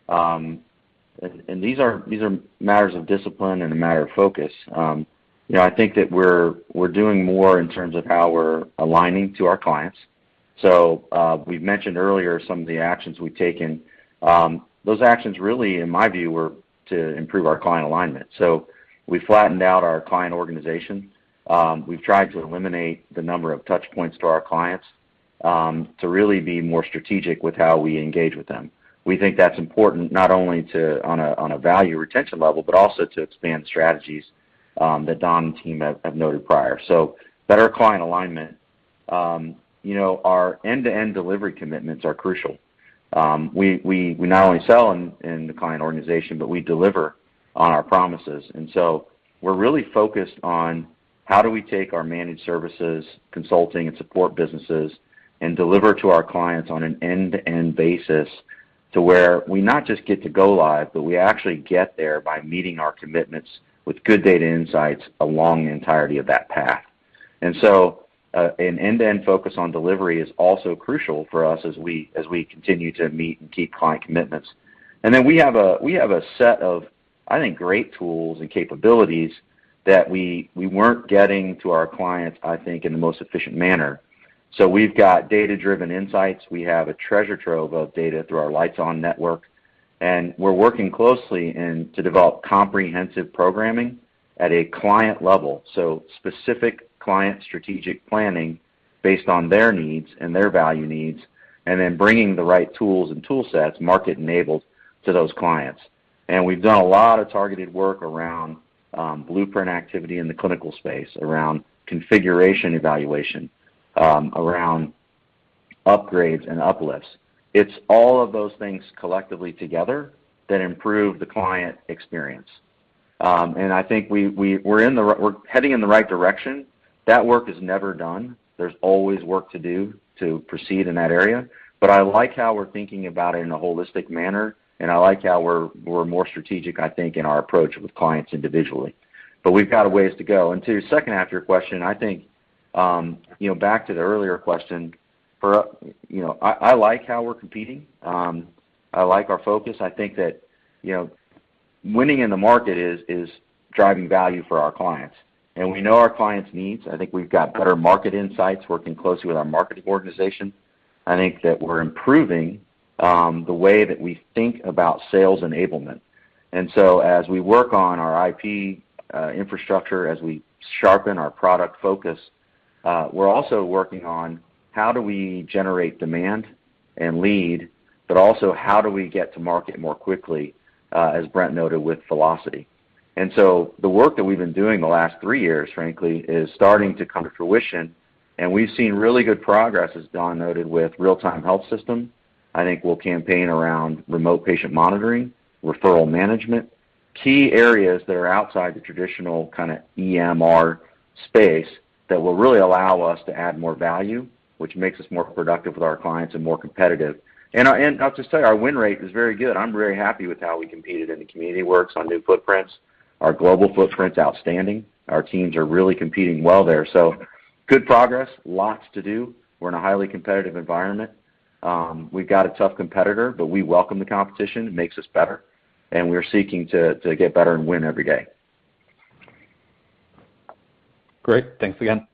These are matters of discipline and a matter of focus. I think that we're doing more in terms of how we're aligning to our clients. We've mentioned earlier some of the actions we've taken. Those actions really, in my view, were to improve our client alignment. We flattened out our client organization. We've tried to eliminate the number of touch points to our clients, to really be more strategic with how we engage with them. We think that's important not only on a value retention level, but also to expand strategies that Don and team have noted prior. Better client alignment. Our end-to-end delivery commitments are crucial. We not only sell in the client organization, but we deliver on our promises. we're really focused on how do we take our managed services, consulting, and support businesses, and deliver to our clients on an end-to-end basis to where we not just get to go live, but we actually get there by meeting our commitments with good data insights along the entirety of that path. an end-to-end focus on delivery is also crucial for us as we continue to meet and keep client commitments. we have a set of, I think, great tools and capabilities that we weren't getting to our clients, I think, in the most efficient manner. we've got data-driven insights. We have a treasure trove of data through our Lights On Network, and we're working closely to develop comprehensive programming at a client level, so specific client strategic planning based on their needs and their value needs, then bringing the right tools and tool sets, market enabled, to those clients. We've done a lot of targeted work around blueprint activity in the clinical space, around configuration evaluation, around upgrades and uplifts. It's all of those things collectively together that improve the client experience. I think we're heading in the right direction. That work is never done. There's always work to do to proceed in that area. I like how we're thinking about it in a holistic manner, and I like how we're more strategic, I think, in our approach with clients individually. We've got a ways to go. To the second half of your question, I think, back to the earlier question, I like how we're competing. I like our focus. I think that winning in the market is driving value for our clients. We know our clients' needs. I think we've got better market insights working closely with our marketing organization. I think that we're improving the way that we think about sales enablement. As we work on our IP infrastructure, as we sharpen our product focus, we're also working on how do we generate demand and lead, but also how do we get to market more quickly, as Brent noted with velocity. The work that we've been doing the last three years, frankly, is starting to come to fruition, and we've seen really good progress, as Don noted, with real-time health system. I think we'll campaign around remote patient monitoring, referral management, key areas that are outside the traditional EMR space that will really allow us to add more value, which makes us more productive with our clients and more competitive. I'll just say, our win rate is very good. I'm very happy with how we competed in the CommunityWorks on new footprints. Our global footprint's outstanding. Our teams are really competing well there. Good progress. Lots to do. We're in a highly competitive environment. We've got a tough competitor, but we welcome the competition. It makes us better, and we're seeking to get better and win every day. Great. Thanks again.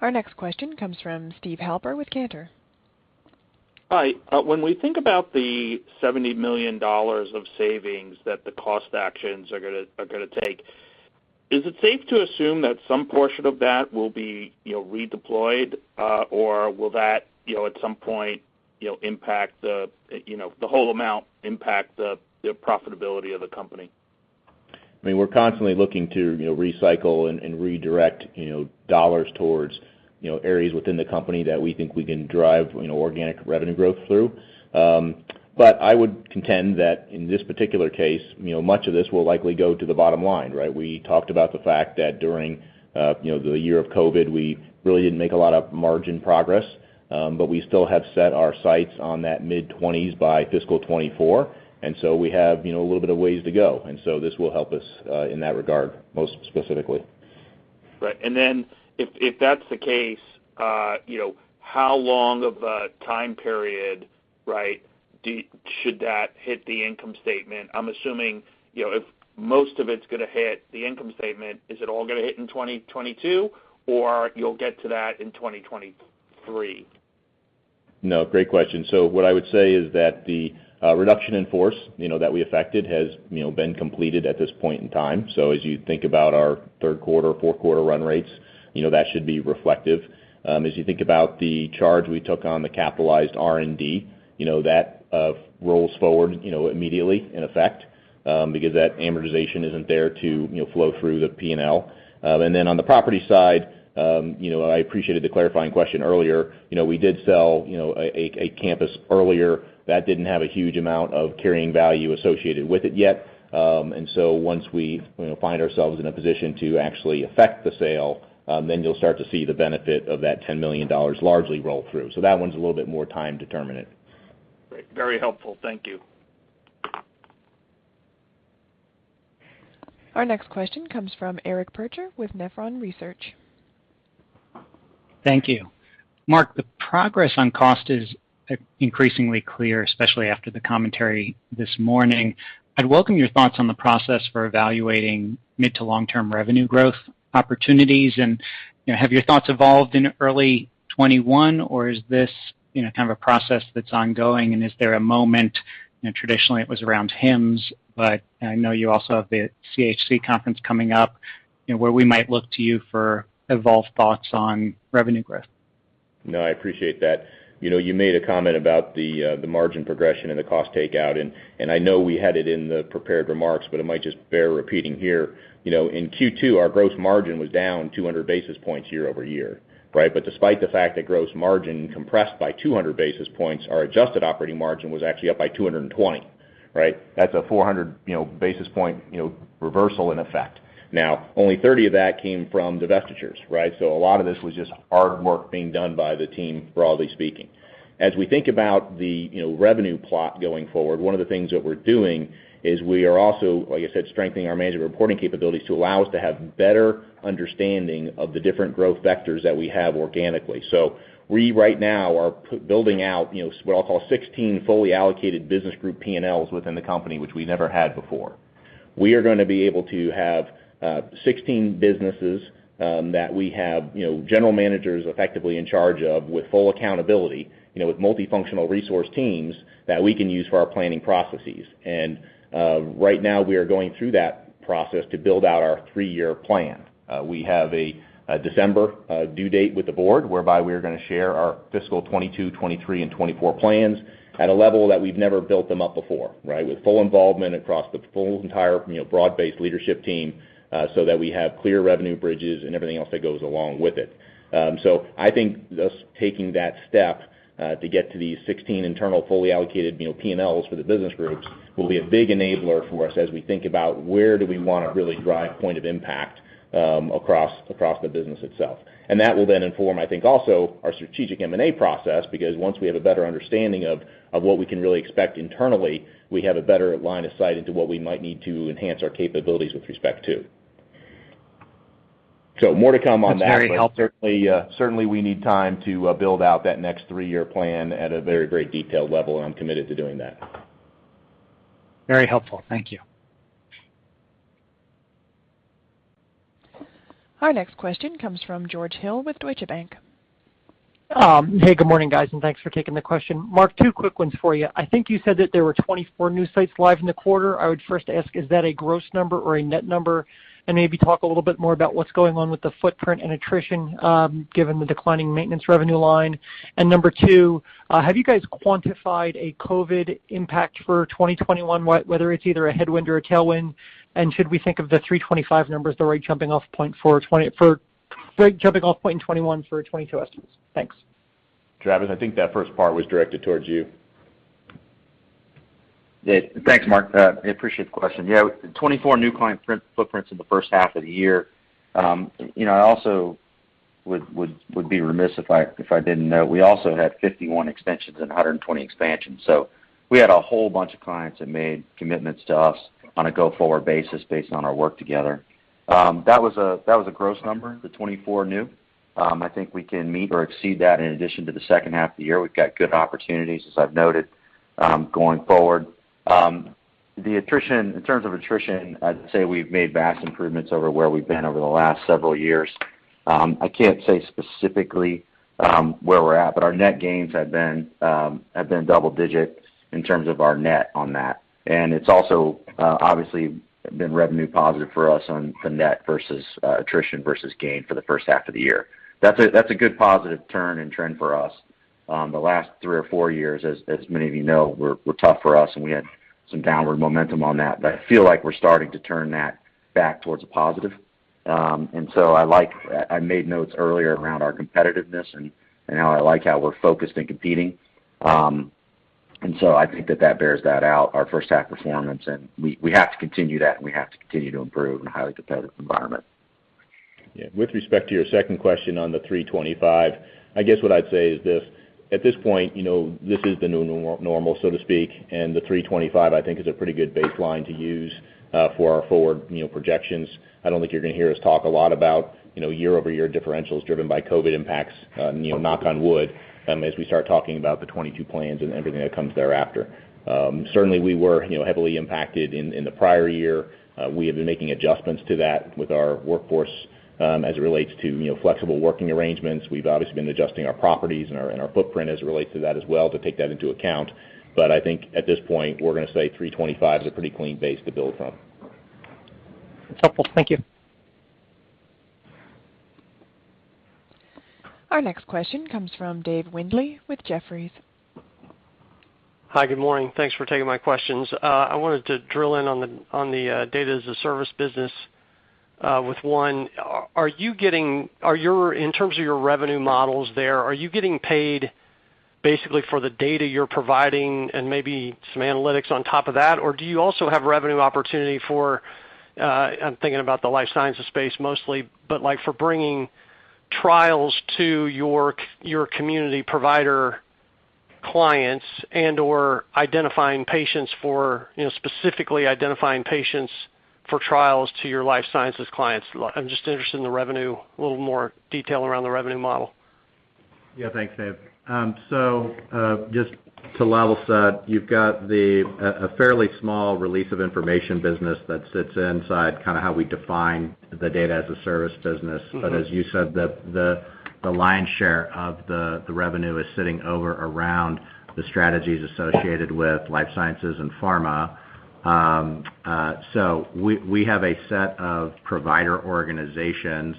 Our next question comes from Steve Halper with Cantor. Hi. When we think about the $70 million of savings that the cost actions are going to take, is it safe to assume that some portion of that will be redeployed, or will that at some point, the whole amount impact the profitability of the company? We're constantly looking to recycle and redirect dollars towards areas within the company that we think we can drive organic revenue growth through. I would contend that in this particular case, much of this will likely go to the bottom line, right. We talked about the fact that during the year of COVID, we really didn't make a lot of margin progress, but we still have set our sights on that mid-20s by fiscal 2024. We have a little bit of ways to go. This will help us in that regard, most specifically. Right. If that's the case, how long of a time period should that hit the income statement? I'm assuming, if most of it's going to hit the income statement, is it all going to hit in 2022, or you'll get to that in 2023? No, great question. What I would say is that the reduction in force that we affected has been completed at this point in time. As you think about our third quarter, fourth quarter run rates, that should be reflective. As you think about the charge we took on the capitalized R&D, that rolls forward immediately in effect, because that amortization isn't there to flow through the P&L. On the property side, I appreciated the clarifying question earlier. We did sell a campus earlier. That didn't have a huge amount of carrying value associated with it yet. Once we find ourselves in a position to actually affect the sale, then you'll start to see the benefit of that $10 million largely roll through. That one's a little bit more time determinant. Great. Very helpful. Thank you. Our next question comes from Eric Percher with Nephron Research. Thank you. Mark, the progress on cost is increasingly clear, especially after the commentary this morning. I'd welcome your thoughts on the process for evaluating mid to long-term revenue growth opportunities, and have your thoughts evolved in early 2021, or is this kind of a process that's ongoing, and is there a moment, traditionally it was around HIMSS, but I know you also have the CHC conference coming up, where we might look to you for evolved thoughts on revenue growth? No, I appreciate that. You made a comment about the margin progression and the cost takeout. I know we had it in the prepared remarks, it might just bear repeating here. In Q2, our gross margin was down 200 basis points year-over-year. Despite the fact that gross margin compressed by 200 basis points, our adjusted operating margin was actually up by 220 basis points. That's a 400 basis point reversal in effect. Only 30 basis points of that came from divestitures. A lot of this was just hard work being done by the team, broadly speaking. As we think about the revenue plot going forward, one of the things that we're doing is we are also, like I said, strengthening our management reporting capabilities to allow us to have better understanding of the different growth vectors that we have organically. We, right now, are building out what I'll call 16 fully allocated business group P&Ls within the company, which we never had before. We are going to be able to have 16 businesses that we have general managers effectively in charge of with full accountability, with multifunctional resource teams that we can use for our planning processes. Right now, we are going through that process to build out our three-year plan. We have a December due date with the board, whereby we are going to share our fiscal 2022, 2023, and 2024 plans at a level that we've never built them up before. With full involvement across the full entire broad-based leadership team, so that we have clear revenue bridges and everything else that goes along with it. I think thus taking that step to get to these 16 internal fully allocated P&Ls for the business groups will be a big enabler for us as we think about where do we want to really drive point of impact across the business itself. That will then inform, I think, also our strategic M&A process, because once we have a better understanding of what we can really expect internally, we have a better line of sight into what we might need to enhance our capabilities with respect to. More to come on that. That's very helpful. Certainly we need time to build out that next three-year plan at a very detailed level, and I'm committed to doing that. Very helpful. Thank you. Our next question comes from George Hill with Deutsche Bank. Hey, good morning, guys, and thanks for taking the question. Mark, two quick ones for you. I think you said that there were 24 new sites live in the quarter. I would first ask, is that a gross number or a net number? Maybe talk a little bit more about what's going on with the footprint and attrition, given the declining maintenance revenue line. Number two, have you guys quantified a COVID impact for 2021, whether it's either a headwind or a tailwind? Should we think of the 325 numbers the rate jumping off point 2021 for 2022 estimates? Thanks. Travis, I think that first part was directed towards you. Thanks, Mark. I appreciate the question. Yeah, 24 new client footprints in the first half of the year. I also would be remiss if I didn't note we also had 51 extensions and 120 expansions. We had a whole bunch of clients that made commitments to us on a go-forward basis based on our work together. That was a gross number, the 24 new. I think we can meet or exceed that in addition to the second half of the year. We've got good opportunities, as I've noted, going forward. In terms of attrition, I'd say we've made vast improvements over where we've been over the last several years. I can't say specifically where we're at, but our net gains have been double digit in terms of our net on that. It's also obviously been revenue positive for us on the net versus attrition versus gain for the first half of the year. That's a good positive turn and trend for us. The last three or four years, as many of you know, were tough for us, and we had some downward momentum on that. I feel like we're starting to turn that back towards a positive. I made notes earlier around our competitiveness and how I like how we're focused and competing. I think that that bears that out, our first half performance, and we have to continue that, and we have to continue to improve in a highly competitive environment. Yeah. With respect to your second question on the 325, I guess what I'd say is this, at this point, this is the new normal, so to speak, and the 325, I think, is a pretty good baseline to use for our forward projections. I don't think you're going to hear us talk a lot about year-over-year differentials driven by COVID impacts, knock on wood, as we start talking about the 2022 plans and everything that comes thereafter. Certainly, we were heavily impacted in the prior year. We have been making adjustments to that with our workforce, as it relates to flexible working arrangements. We've obviously been adjusting our properties and our footprint as it relates to that as well to take that into account. I think at this point, we're going to say 325 is a pretty clean base to build from. That's helpful. Thank you. Our next question comes from Dave Windley with Jefferies. Hi, good morning. Thanks for taking my questions. I wanted to drill in on the Data as a Service business, with one, in terms of your revenue models there, are you getting paid basically for the data you're providing and maybe some analytics on top of that, or do you also have revenue opportunity for, I'm thinking about the life sciences space mostly, but like for bringing trials to your community provider clients and/or specifically identifying patients for trials to your life sciences clients? I'm just interested in the revenue, a little more detail around the revenue model. Yeah. Thanks, Dave. Just to level-set, you've got a fairly small release of information business that sits inside how we define the Data as a Service business. As you said, the lion's share of the revenue is sitting over around the strategies associated with life sciences and pharma. We have a set of provider organizations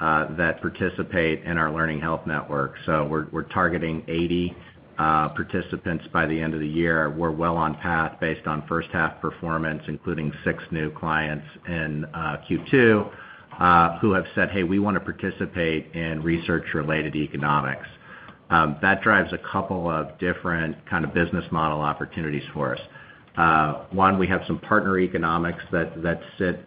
that participate in our Learning Health Network. We're targeting 80 participants by the end of the year. We're well on path based on first half performance, including six new clients in Q2, who have said, "Hey, we want to participate in research-related economics. That drives a couple of different kind of business model opportunities for us. We have some partner economics that sit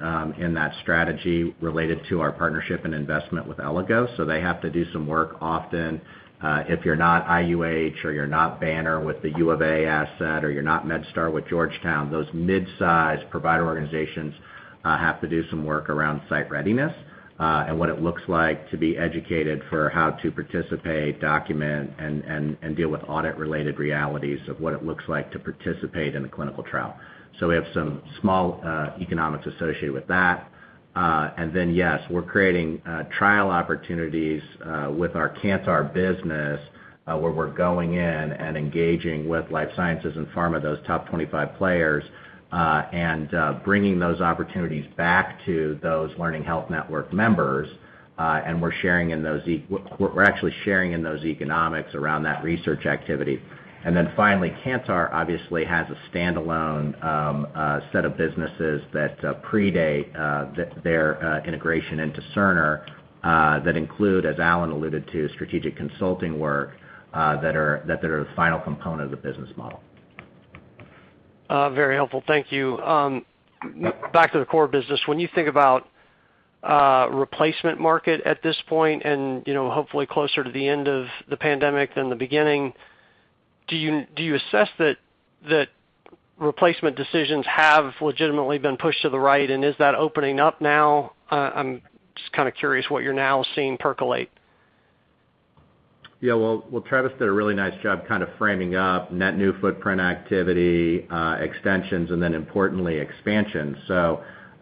in that strategy related to our partnership and investment with Elligo. They have to do some work often, if you're not IUH or you're not Banner with the U of A asset, or you're not MedStar with Georgetown, those mid-size provider organizations have to do some work around site readiness. What it looks like to be educated for how to participate, document, and deal with audit-related realities of what it looks like to participate in a clinical trial. We have some small economics associated with that. Yes, we're creating trial opportunities, with our Kantar business, where we're going in and engaging with life sciences and pharma, those top 25 players, and bringing those opportunities back to those Learning Health Network members. We're actually sharing in those economics around that research activity. Finally, Kantar obviously has a standalone set of businesses that predate their integration into Cerner, that include, as Allan alluded to, strategic consulting work, that are the final component of the business model. Very helpful. Thank you. Back to the core business, when you think about replacement market at this point and hopefully closer to the end of the pandemic than the beginning, do you assess that replacement decisions have legitimately been pushed to the right, is that opening up now? I'm just kind of curious what you're now seeing percolate. Yeah. Well, Travis did a really nice job kind of framing up net new footprint activity, extensions, and then importantly, expansion.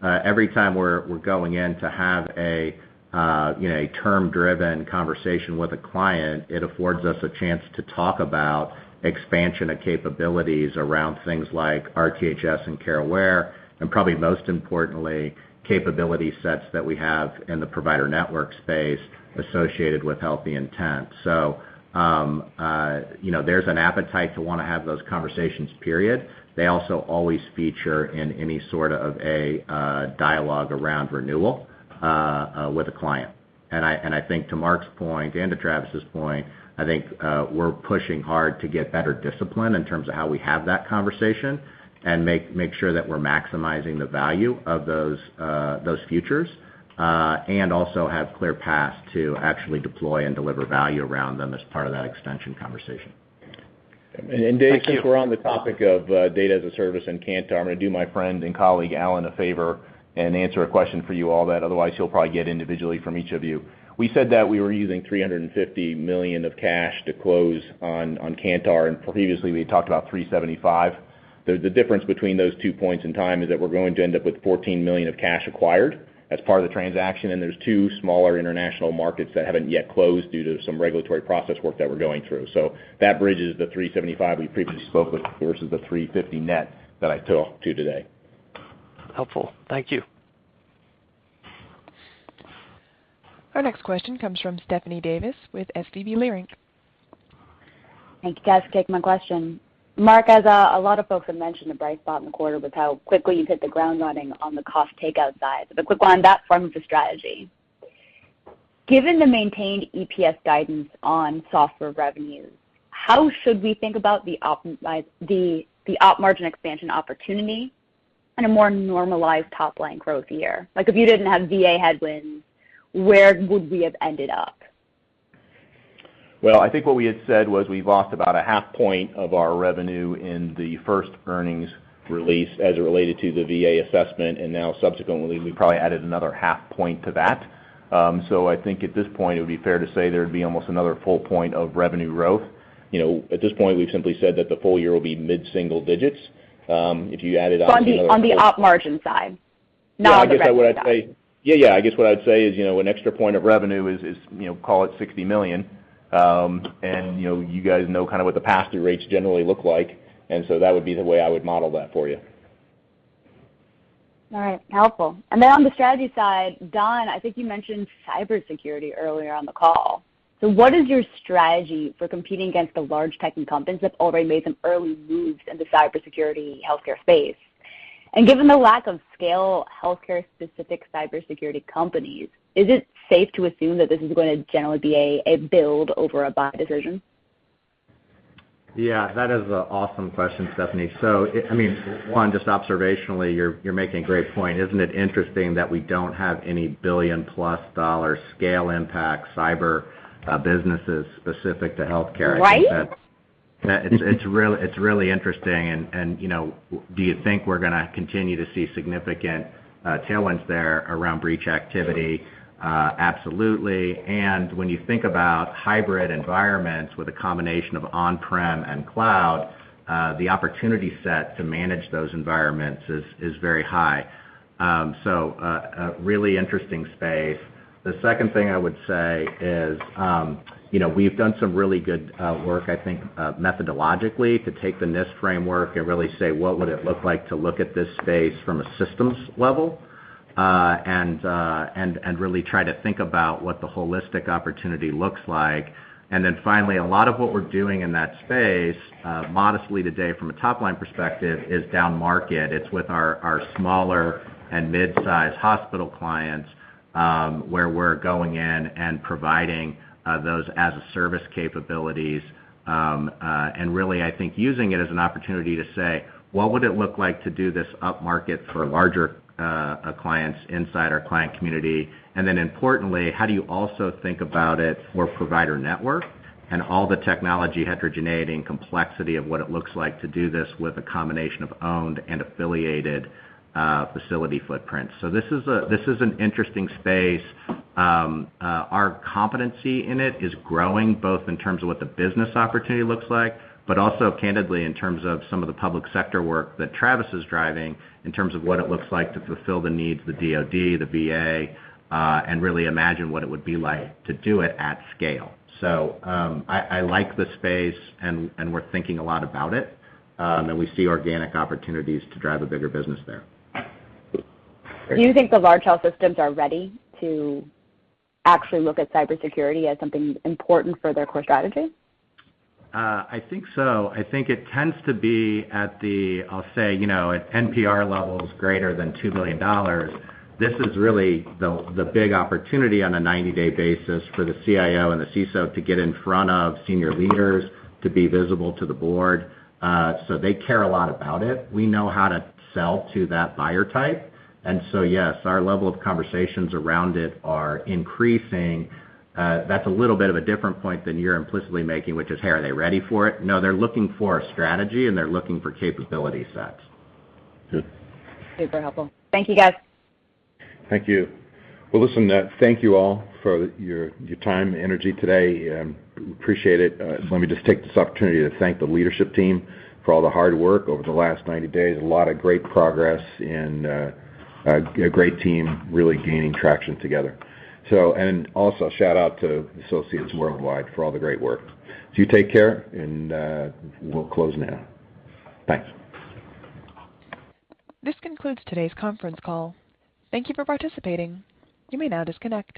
Every time we're going in to have a term-driven conversation with a client, it affords us a chance to talk about expansion of capabilities around things like RTHS and CareAware, and probably most importantly, capability sets that we have in the provider network space associated with HealtheIntent. There's an appetite to want to have those conversations, period. They also always feature in any sort of a dialogue around renewal with a client. I think to Mark's point and to Travis's point, I think we're pushing hard to get better discipline in terms of how we have that conversation and make sure that we're maximizing the value of those futures. Also have clear paths to actually deploy and deliver value around them as part of that extension conversation. Thank you. Dave, since we're on the topic of data as a service and Kantar, I'm going to do my friend and colleague Allan a favor and answer a question for you all that otherwise he'll probably get individually from each of you. We said that we were using $350 million of cash to close on Kantar, and previously we had talked about $375. The difference between those two points in time is that we're going to end up with $14 million of cash acquired as part of the transaction, and there's two smaller international markets that haven't yet closed due to some regulatory process work that we're going through. That bridges the $375 we previously spoke with versus the $350 net that I talked to today. Helpful. Thank you. Our next question comes from Stephanie Davis with SVB Leerink. Thank you, guys. Taking my question. Mark, as a lot of folks have mentioned the bright spot in the quarter was how quickly you've hit the ground running on the cost takeout side. The quick one, that forms a strategy. Given the maintained EPS guidance on software revenues, how should we think about the op margin expansion opportunity and a more normalized top-line growth year? Like if you didn't have VA headwinds, where would we have ended up? Well, I think what we had said was we lost about a half point of our revenue in the first earnings release as it related to the VA assessment. Now subsequently, we probably added another half point to that. I think at this point, it would be fair to say there'd be almost another full point of revenue growth. At this point, we've simply said that the full year will be mid-single digits. If you added on the other full. On the op margin side, not on the revenue side. Yeah. I guess what I would say is, an extra point of revenue is, call it $60 million. You guys know kind of what the pass-through rates generally look like, that would be the way I would model that for you. All right. Helpful. On the strategy side, Don Trigg, I think you mentioned cybersecurity earlier on the call. What is your strategy for competing against the large tech companies that have already made some early moves in the cybersecurity healthcare space? Given the lack of scale healthcare specific cybersecurity companies, is it safe to assume that this is going to generally be a build over a buy decision? Yeah, that is a awesome question, Stephanie. One, just observationally, you're making a great point. Isn't it interesting that we don't have any billion-plus dollar scale impact cyber businesses specific to healthcare? Right? It's really interesting. Do you think we're going to continue to see significant tailwinds there around breach activity? Absolutely. When you think about hybrid environments with a combination of on-prem and cloud, the opportunity set to manage those environments is very high. A really interesting space. The second thing I would say is we've done some really good work, I think, methodologically to take the NIST framework and really say, what would it look like to look at this space from a systems level, and really try to think about what the holistic opportunity looks like. Finally, a lot of what we're doing in that space, modestly today from a top-line perspective, is down market. It's with our smaller and mid-size hospital clients. Where we're going in and providing those as a service capabilities, and really, I think using it as an opportunity to say, "What would it look like to do this upmarket for larger clients inside our client community?" Importantly, how do you also think about it for provider network and all the technology heterogeneity and complexity of what it looks like to do this with a combination of owned and affiliated facility footprints. This is an interesting space. Our competency in it is growing, both in terms of what the business opportunity looks like, but also candidly in terms of some of the public sector work that Travis is driving, in terms of what it looks like to fulfill the needs of the DoD, the VA, and really imagine what it would be like to do it at scale. I like the space, and we're thinking a lot about it. We see organic opportunities to drive a bigger business there. Do you think the large health systems are ready to actually look at cybersecurity as something important for their core strategy? I think so. I think it tends to be at the, I'll say, at NPR levels greater than $2 million. This is really the big opportunity on a 90-day basis for the CIO and the CISO to get in front of senior leaders, to be visible to the board. They care a lot about it. We know how to sell to that buyer type. Yes, our level of conversations around it are increasing. That's a little bit of a different point than you're implicitly making, which is, "Hey, are they ready for it?" No, they're looking for a strategy and they're looking for capability sets. Good. Super helpful. Thank you, guys. Thank you. Well, listen, thank you all for your time and energy today. Appreciate it. Let me just take this opportunity to thank the leadership team for all the hard work over the last 90 days. A lot of great progress and a great team really gaining traction together. Also shout out to associates worldwide for all the great work. You take care, and we'll close now. Thanks. This concludes today's conference call. Thank you for participating. You may now disconnect.